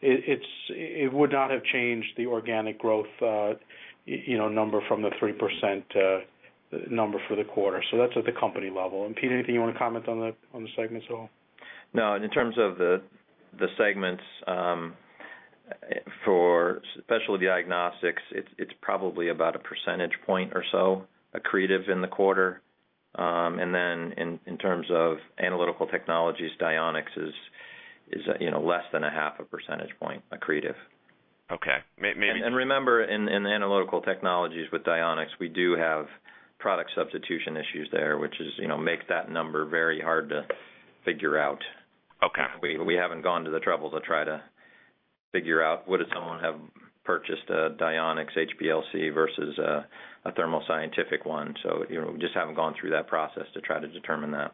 It would not have changed the organic growth number from the 3% number for the quarter. That's at the company level. Pete, anything you want to comment on the segments at all? No, in terms of the segments for specialty diagnostics, it's probably about a percentage point or so accretive in the quarter. In terms of analytical technologies, Dionex is less than a half a percentage point accretive. Okay. Remember, in analytical technologies with Dionex, we do have product substitution issues there, which makes that number very hard to figure out. Okay. We haven't gone to the trouble to try to figure out would someone have purchased a Dionex HPLC versus a Thermo Scientific one. We just haven't gone through that process to try to determine that.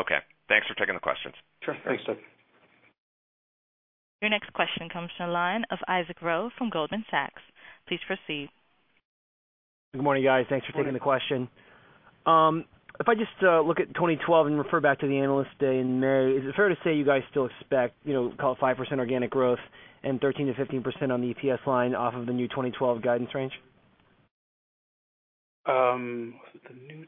Okay, thanks for taking the questions. Sure, thanks, Doug. Your next question comes from a line of Isaac Ro from Goldman Sachs. Please proceed. Good morning, guys. Thanks for taking the question. If I just look at 2012 and refer back to the analyst day in May, is it fair to say you guys still expect, you know, call it 5% organic growth and 13%-15% on the EPS line off of the new 2012 guidance range? Off the new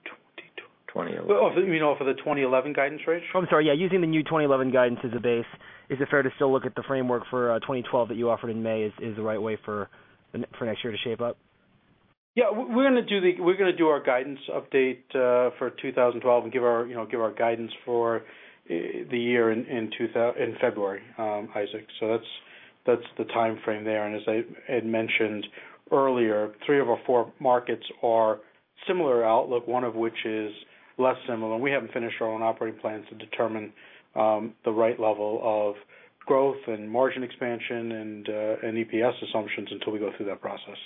2012? I mean, off of the 2011 guidance range? I'm sorry. Yeah, using the new 2011 guidance as a base, is it fair to still look at the framework for 2012 that you offered in May as the right way for next year to shape up? Yeah, we are going to do our guidance update for 2012 and give our guidance for the year in February, Isaac. That's the timeframe there. As I had mentioned earlier, three of our four markets are similar outlook, one of which is less similar. We haven't finished our own operating plans to determine the right level of growth and margin expansion and EPS assumptions until we go through that process.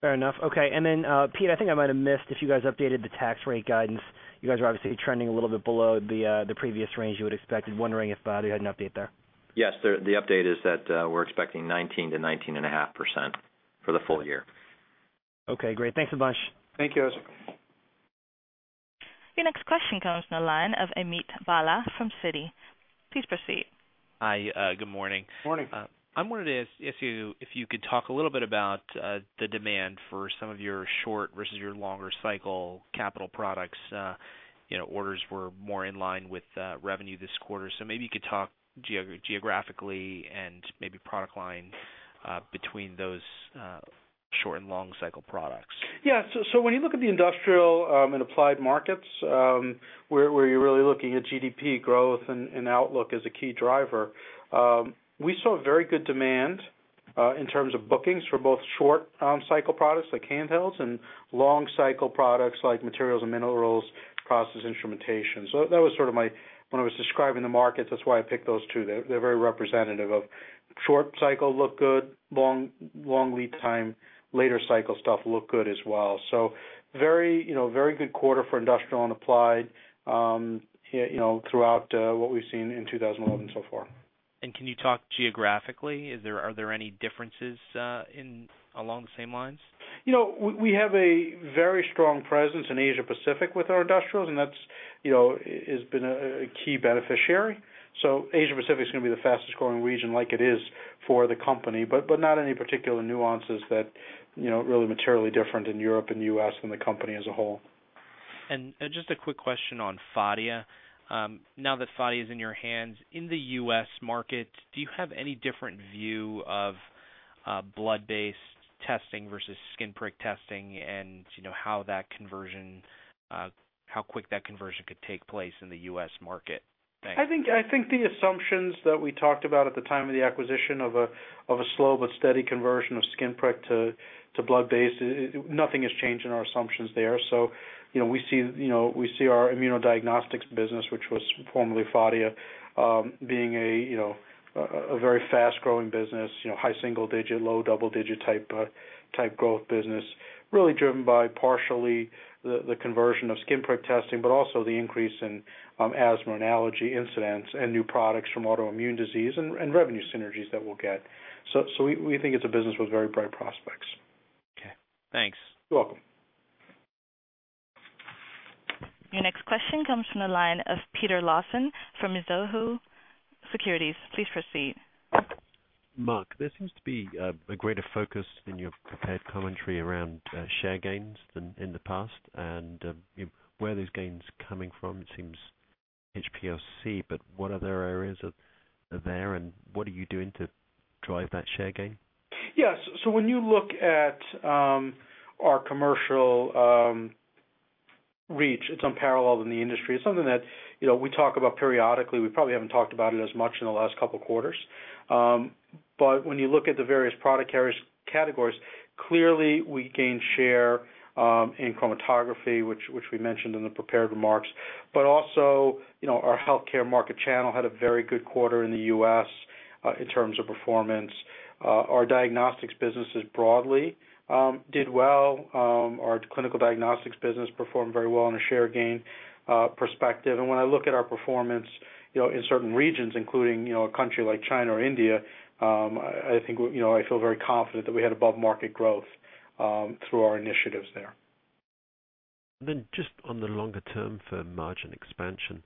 Fair enough. Okay. Pete, I think I might have missed if you guys updated the tax rate guidance. You guys are obviously trending a little bit below the previous range you would expect. I am wondering if you had an update there. Yes, the update is that we are expecting 19%-19.5% for the full year. Okay, great. Thanks a bunch. Thank you, Isaac. Your next question comes from a line of Amit Bala from Citi. Please proceed. Hi, good morning. Morning. I wanted to ask you if you could talk a little bit about the demand for some of your short versus your longer cycle capital products. Orders were more in line with revenue this quarter. Maybe you could talk geographically and maybe product line between those short and long cycle products. Yeah, when you look at the industrial and applied markets, where you are really looking at GDP growth and outlook as a key driver, we saw very good demand in terms of bookings for both short cycle products like handhelds and long cycle products like materials and minerals, process instrumentation. That was sort of when I was describing the markets, that's why I picked those two. They are very representative of short cycle look good, long lead time, later cycle stuff look good as well. Very good quarter for industrial and applied throughout what we have seen in 2011 so far. Can you talk geographically? Are there any differences along the same lines? We have a very strong presence in Asia-Pacific with our industrials, and that has been a key beneficiary. Asia-Pacific is going to be the fastest growing region like it is for the company, but not any particular nuances that really materially different in Europe and the U.S. than the company as a whole. Just a quick question on Phadia. Now that Phadia is in your hands, in the U.S. markets, do you have any different view of blood-based testing versus skin prick testing and how that conversion, how quick that conversion could take place in the U.S. market? I think the assumptions that we talked about at the time of the acquisition of a slow but steady conversion of skin prick to blood-based, nothing has changed in our assumptions there. We see our immunodiagnostics business, which was formerly Phadia, being a very fast-growing business, high single-digit, low double-digit type growth business, really driven by partially the conversion of skin prick testing, but also the increase in asthma and allergy incidents and new products from autoimmune disease and revenue synergies that we will get. We think it is a business with very bright prospects. Okay, thanks. You are welcome. Your next question comes from a line of Peter Lawson from Mizohu Securities. Please proceed. Marc, there seems to be a greater focus in your prepared commentary around share gains than in the past. Where are those gains coming from? It seems HPLC, but what other areas are there, and what are you doing to drive that share gain? Yeah, when you look at our commercial reach, it is unparalleled in the industry. It is something that we talk about periodically. We probably haven't talked about it as much in the last couple of quarters. When you look at the various product categories, clearly we gain share in chromatography, which we mentioned in the prepared remarks. Also, our healthcare market channel had a very good quarter in the U.S. in terms of performance. Our diagnostics businesses broadly did well. Our clinical diagnostics business performed very well in a share gain perspective. When I look at our performance in certain regions, including a country like China or India, I think I feel very confident that we had above-market growth through our initiatives there. On the longer term for margin expansion,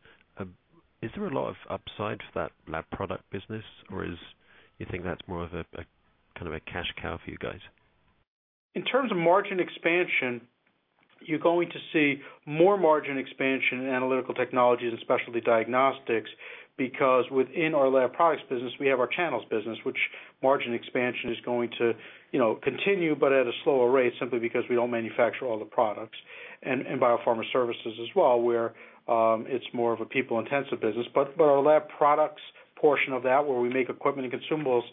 is there a lot of upside for that lab product business, or do you think that is more of a kind of a cash cow for you guys? In terms of margin expansion, you are going to see more margin expansion in analytical technologies and specialty diagnostics because within our lab products business, we have our channels business, which margin expansion is going to continue, but at a slower rate simply because we do not manufacture all the products. Biopharma services as well, where it is more of a people-intensive business. Our lab products portion of that, where we make equipment and consumables,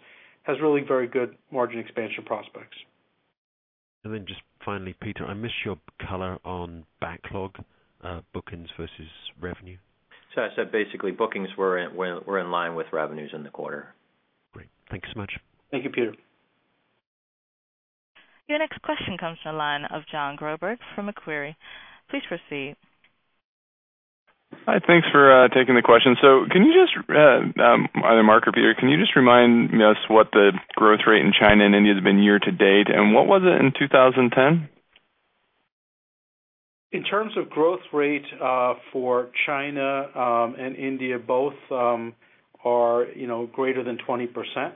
has really very good margin expansion prospects. Peter, I missed your color on backlog bookings versus revenue. I said basically bookings were in line with revenues in the quarter. Great. Thank you so much. Thank you, Peter. Your next question comes from a line of Jon Groberg from Macquarie. Please proceed. Hi, thanks for taking the question. Can you just, either Marc or Peter, can you just remind us what the growth rate in China and India has been year to date, and what was it in 2010? In terms of growth rate for China and India, both are greater than 20%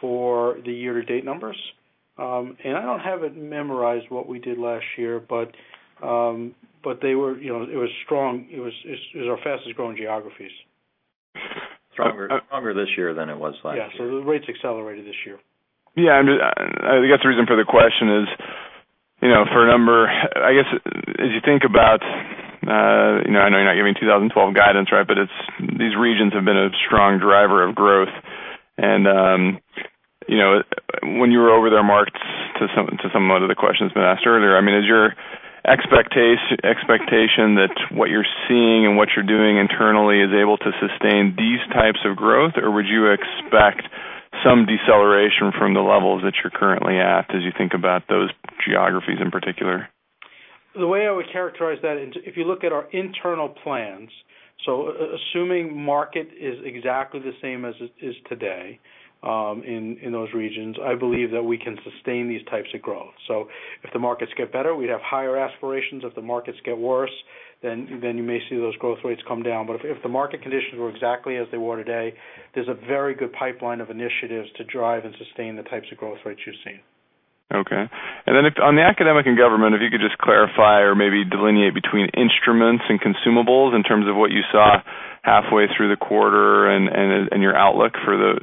for the year-to-date numbers. I do not have it memorized what we did last year, but it was strong. It was our fastest growing geographies. Stronger this year than it was last year. Yeah, the rates accelerated this year. Yeah, I think that is the reason for the question is for a number, I guess as you think about, I know you are not giving 2012 guidance, right, but these regions have been a strong driver of growth. When you were over there, Mark, to somewhat of the question that has been asked earlier, is your expectation that what you are seeing and what you are doing internally is able to sustain these types of growth, or would you expect some deceleration from the levels that you are currently at as you think about those geographies in particular? The way I would characterize that, if you look at our internal plans, assuming the market is exactly the same as it is today in those regions, I believe that we can sustain these types of growth. If the markets get better, we would have higher aspirations. If the markets get worse, you may see those growth rates come down. If the market conditions were exactly as they were today, there is a very good pipeline of initiatives to drive and sustain the types of growth rates you have seen. Okay. If you could just clarify or maybe delineate between instruments and consumables in terms of what you saw halfway through the quarter and your outlook for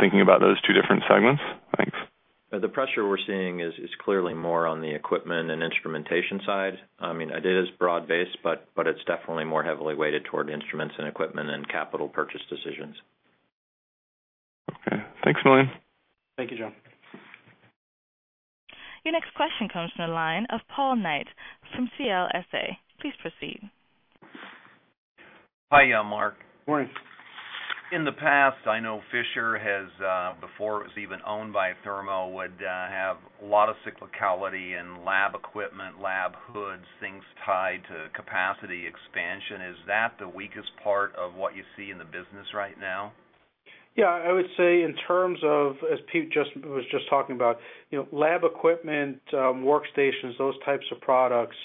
thinking about those two different segments. Thanks. The pressure we are seeing is clearly more on the equipment and instrumentation side. Data is broad-based, but it is definitely more heavily weighted toward instruments and equipment and capital purchase decisions. Okay, thanks, Wilver. Thank you, John. Your next question comes from a line of Paul Knight from CLSA. Please proceed. Hi, Mark. Morning. In the past, I know Fisher has, before it was even owned by Thermo, would have a lot of cyclicality in lab equipment, lab hoods, things tied to capacity expansion. Is that the weakest part of what you see in the business right now? I would say in terms of, as Pete was just talking about, lab equipment, workstations, those types of products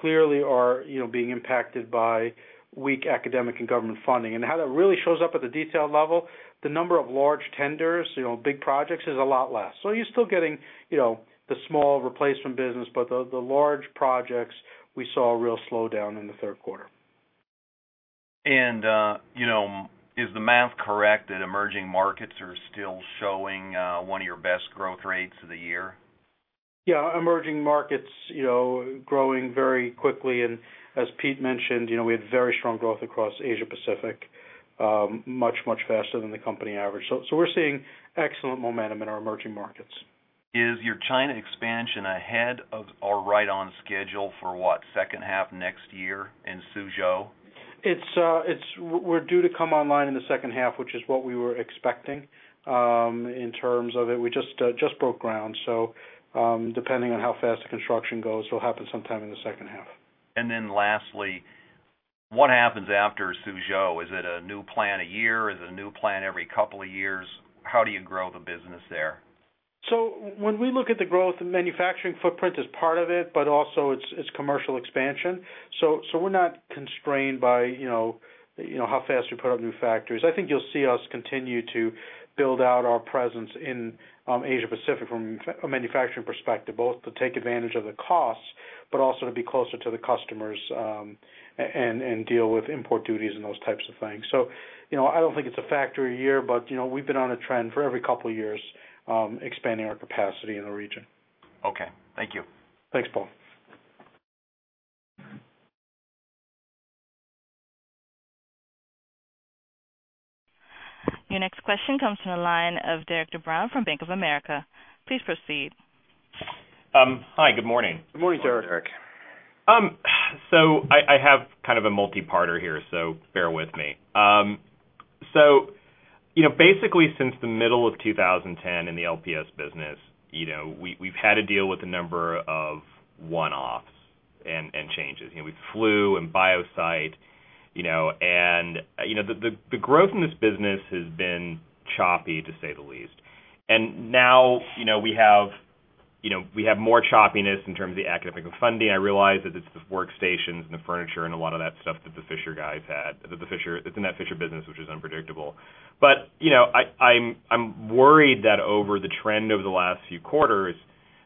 clearly are being impacted by weak academic and government funding. How that really shows up at the detail level, the number of large tenders, big projects is a lot less. You are still getting the small replacement business, but the large projects we saw a real slowdown in the third quarter. Is the math correct that emerging markets are still showing one of your best growth rates of the year? Emerging markets are growing very quickly. As Pete mentioned, we had very strong growth across Asia-Pacific, much, much faster than the company average. We are seeing excellent momentum in our emerging markets. Is your China expansion ahead or right on schedule for what, second half next year in Suzhou? We are due to come online in the second half, which is what we were expecting in terms of it. We just broke ground, so depending on how fast the construction goes, it will happen sometime in the second half. What happens after Suzhou? Is it a new plan a year? Is it a new plan every couple of years? How do you grow the business there? When we look at the growth, the manufacturing footprint is part of it, but also it is commercial expansion. We are not constrained by how fast we put up new factories. I think you will see us continue to build out our presence in Asia-Pacific from a manufacturing perspective, both to take advantage of the costs, but also to be closer to the customers and deal with import duties and those types of things. I do not think it is a factory year, but we have been on a trend for every couple of years expanding our capacity in our region. Okay, thank you. Thanks, Paul. Your next question comes from a line of Derek Brown from Bank of America. Please proceed. Hi, good morning. Good morning, Derek. Derek. I have kind of a multi-parter here, so bear with me. Basically, since the middle of 2010 in the LPS business, we have had to deal with a number of one-offs and changes. We flew in Biocyte, and the growth in this business has been choppy, to say the least. Now we have more choppiness in terms of the academic funding. I realize that it is the workstations and the furniture and a lot of that stuff that the Fisher guys had, that is in that Fisher business, which is unpredictable. I am worried that over the trend over the last few quarters,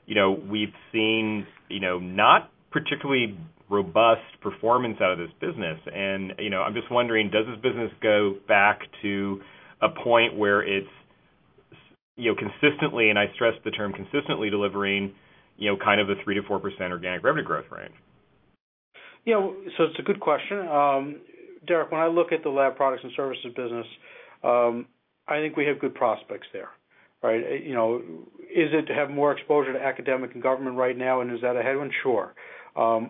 we have seen not particularly robust performance out of this business. I am just wondering, does this business go back to a point where it is consistently, and I stress the term consistently, delivering kind of a 3%-4% organic revenue growth range? Yeah, it is a good question. Derek, when I look at the lab products and services business, I think we have good prospects there. Is it to have more exposure to academic and government right now, and is that a headwind? Sure. I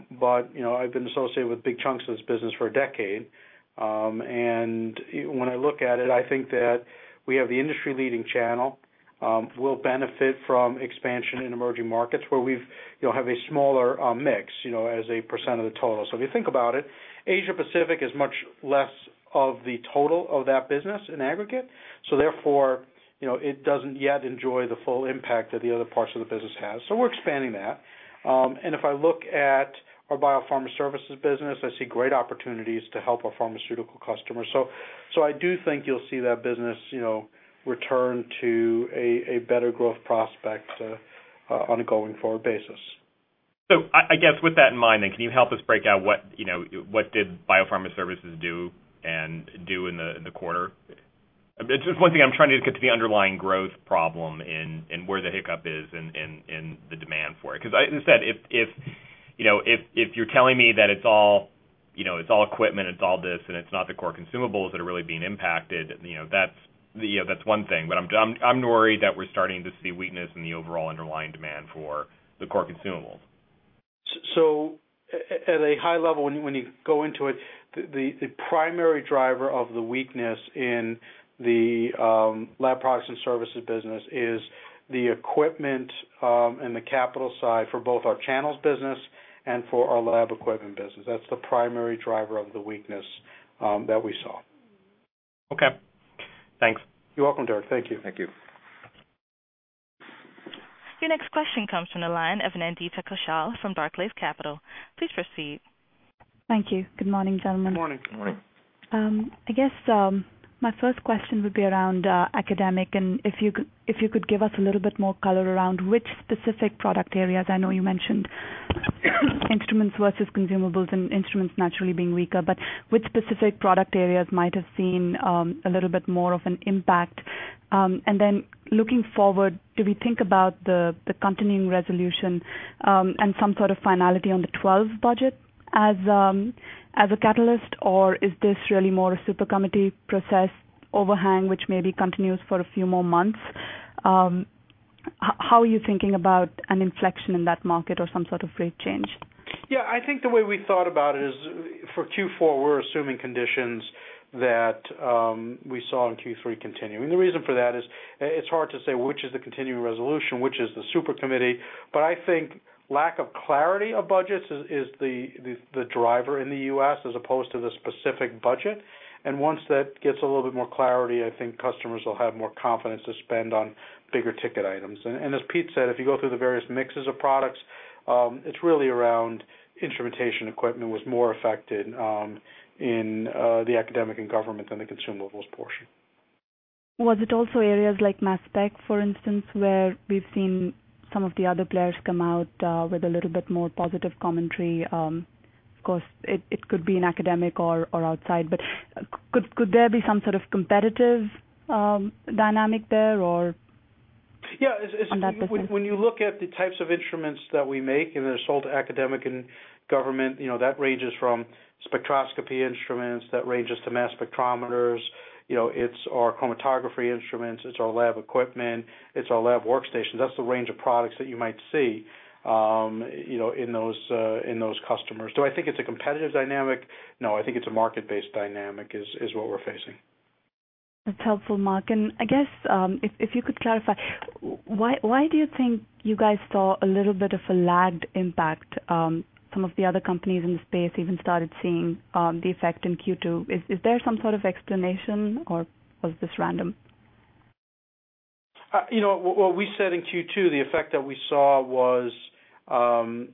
have been associated with big chunks of this business for a decade. When I look at it, I think that we have the industry-leading channel. We will benefit from expansion in emerging markets where we have a smaller mix as a percent of the total. If you think about it, Asia-Pacific is much less of the total of that business in aggregate. Therefore, it does not yet enjoy the full impact that the other parts of the business have. We are expanding that. If I look at our biopharma services business, I see great opportunities to help our pharmaceutical customers. I do think you will see that business return to a better growth prospect on a going forward basis. I guess with that in mind, can you help us break out what did biopharma services do in the quarter? It is just one thing I am trying to get to the underlying growth problem and where the hiccup is in the demand for it. Because if you are telling me that it is all equipment, it is all this, and it is not the core consumables that are really being impacted, that is one thing. I am worried that we are starting to see weakness in the overall underlying demand for the core consumables. At a high level, when you go into it, the primary driver of the weakness in the lab products and services business is the equipment and the capital side for both our channels business and for our lab equipment business. That is the primary driver of the weakness that we saw. Okay, thanks. You are welcome, Derek. Thank you. Thank you. Your next question comes from a line of Nandita Koshal from Barclays Capital. Please proceed. Thank you. Good morning, gentlemen. Good morning. I guess my first question would be around academic, and if you could give us a little bit more color around which specific product areas. I know you mentioned instruments versus consumables and instruments naturally being weaker, but which specific product areas might have seen a little bit more of an impact? Looking forward, do we think about the continuing resolution and some sort of finality on the 2012 budget as a catalyst, or is this really more a supercommittee process overhang, which maybe continues for a few more months? How are you thinking about an inflection in that market or some sort of rate change? I think the way we thought about it is for Q4, we are assuming conditions that we saw in Q3 continue. The reason for that is it is hard to say which is the continuing resolution, which is the supercommittee, but I think lack of clarity of budgets is the driver in the U.S. as opposed to the specific budget. Once that gets a little bit more clarity, I think customers will have more confidence to spend on bigger ticket items. As Pete said, if you go through the various mixes of products, it is really around instrumentation equipment was more affected in the academic and government than the consumables portion. Was it also areas like mass spec, for instance, where we have seen some of the other players come out with a little bit more positive commentary? Of course, it could be an academic or outside, but could there be some sort of competitive dynamic there, or? When you look at the types of instruments that we make and they are sold to academic and government, that ranges from spectroscopy instruments, that ranges to mass spectrometers. It is our chromatography instruments. It is our lab equipment. It is our lab workstations. That is the range of products that you might see in those customers. Do I think it is a competitive dynamic? No, I think it is a market-based dynamic is what we are facing. That is helpful, Marc. I guess if you could clarify, why do you think you guys saw a little bit of a lagged impact? Some of the other companies in the space even started seeing the effect in Q2. Is there some sort of explanation, or was this random? What we said in Q2, the effect that we saw was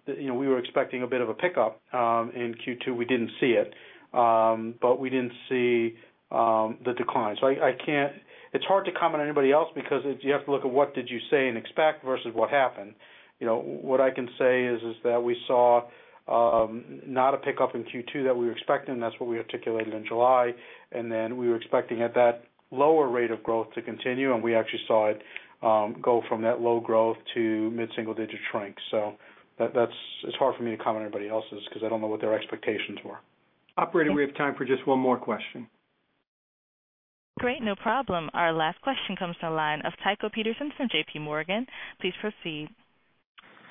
we were expecting a bit of a pickup in Q2. We did not see it, but we did not see the decline. It is hard to comment on anybody else because you have to look at what did you say and expect versus what happened. What I can say is that we saw not a pickup in Q2 that we were expecting, and that is what we articulated in July. We were expecting at that lower rate of growth to continue, and we actually saw it go from that low growth to mid-single digit shrink. It is hard for me to comment on anybody else's because I do not know what their expectations were. Operator, we have time for just one more question. Great, no problem. Our last question comes from a line of Tycho W. Peterson from JPMorgan. Please proceed.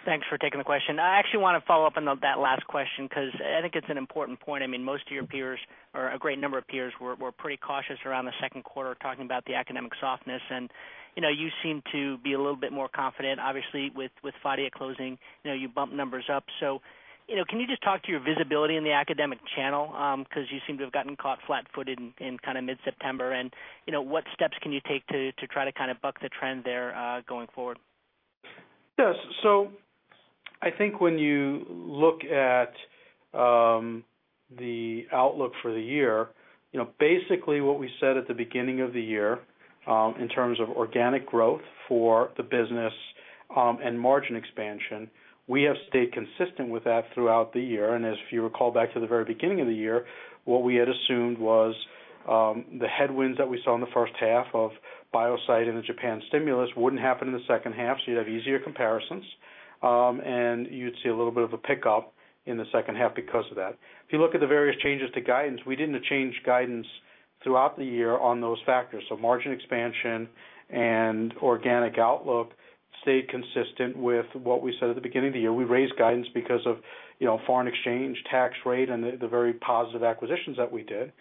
Thanks for taking the question. I actually want to follow up on that last question because I think it is an important point. Most of your peers, or a great number of peers, were pretty cautious around the second quarter talking about the academic softness. You seem to be a little bit more confident, obviously with Phadia closing, you bump numbers up. Can you just talk to your visibility in the academic channel because you seem to have gotten caught flat-footed in kind of mid-September? What steps can you take to try to kind of buck the trend there going forward? Yes, so I think when you look at the outlook for the year, basically what we said at the beginning of the year in terms of organic growth for the business and margin expansion, we have stayed consistent with that throughout the year. As you recall back to the very beginning of the year, what we had assumed was the headwinds that we saw in the first half of Biocyte and the Japan stimulus would not happen in the second half. You would have easier comparisons, and you would see a little bit of a pickup in the second half because of that. If you look at the various changes to guidance, we did not change guidance throughout the year on those factors. Margin expansion and organic outlook stayed consistent with what we said at the beginning of the year. We raised guidance because of foreign exchange, tax rate, and the very positive acquisitions that we did.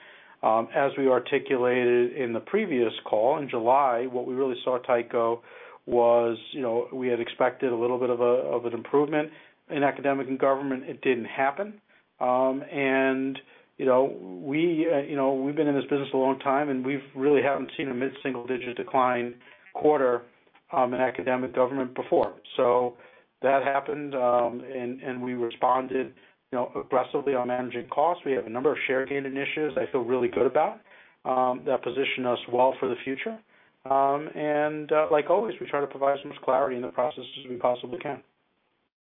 As we articulated in the previous call in July, what we really saw at Tycho was we had expected a little bit of an improvement in academic and government. It did not happen. We have been in this business a long time, and we really have not seen a mid-single digit decline quarter in academic government before. That happened, and we responded aggressively on managing costs. We have a number of share gain initiatives I feel really good about that position us well for the future. Like always, we try to provide as much clarity in the process as we possibly can.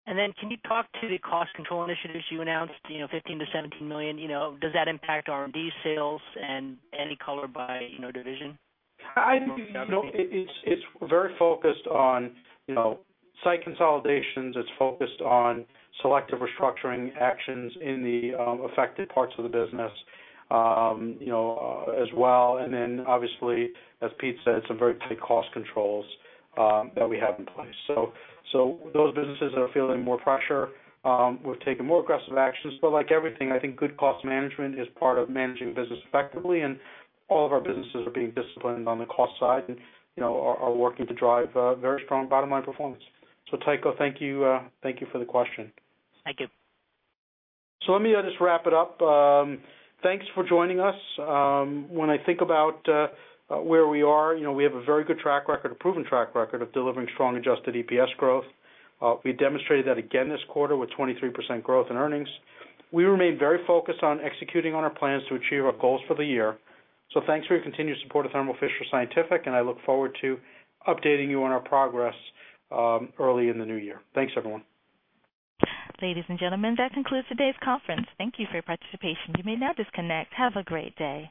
Can you talk to the cost control initiatives you announced, $15 million-$17 million? Does that impact R&D sales, and any color by division? It is very focused on site consolidations. It is focused on selective restructuring actions in the affected parts of the business as well. Obviously, as Pete said, some very tight cost controls that we have in place. Those businesses that are feeling more pressure, we have taken more aggressive actions. Like everything, I think good cost management is part of managing the business effectively, and all of our businesses are being disciplined on the cost side and are working to drive very strong bottom-line performance. Tycho, thank you for the question. Thank you. Let me just wrap it up. Thanks for joining us. When I think about where we are, we have a very good track record, a proven track record of delivering strong adjusted EPS growth. We demonstrated that again this quarter with 23% growth in earnings. We remain very focused on executing. Our plans to achieve our goals for the year. Thank you for your continued support of Thermo Fisher Scientific, and I look forward to updating you on our progress early in the new year. Thanks, everyone. Ladies and gentlemen, that concludes today's conference. Thank you for your participation. You may now disconnect. Have a great day.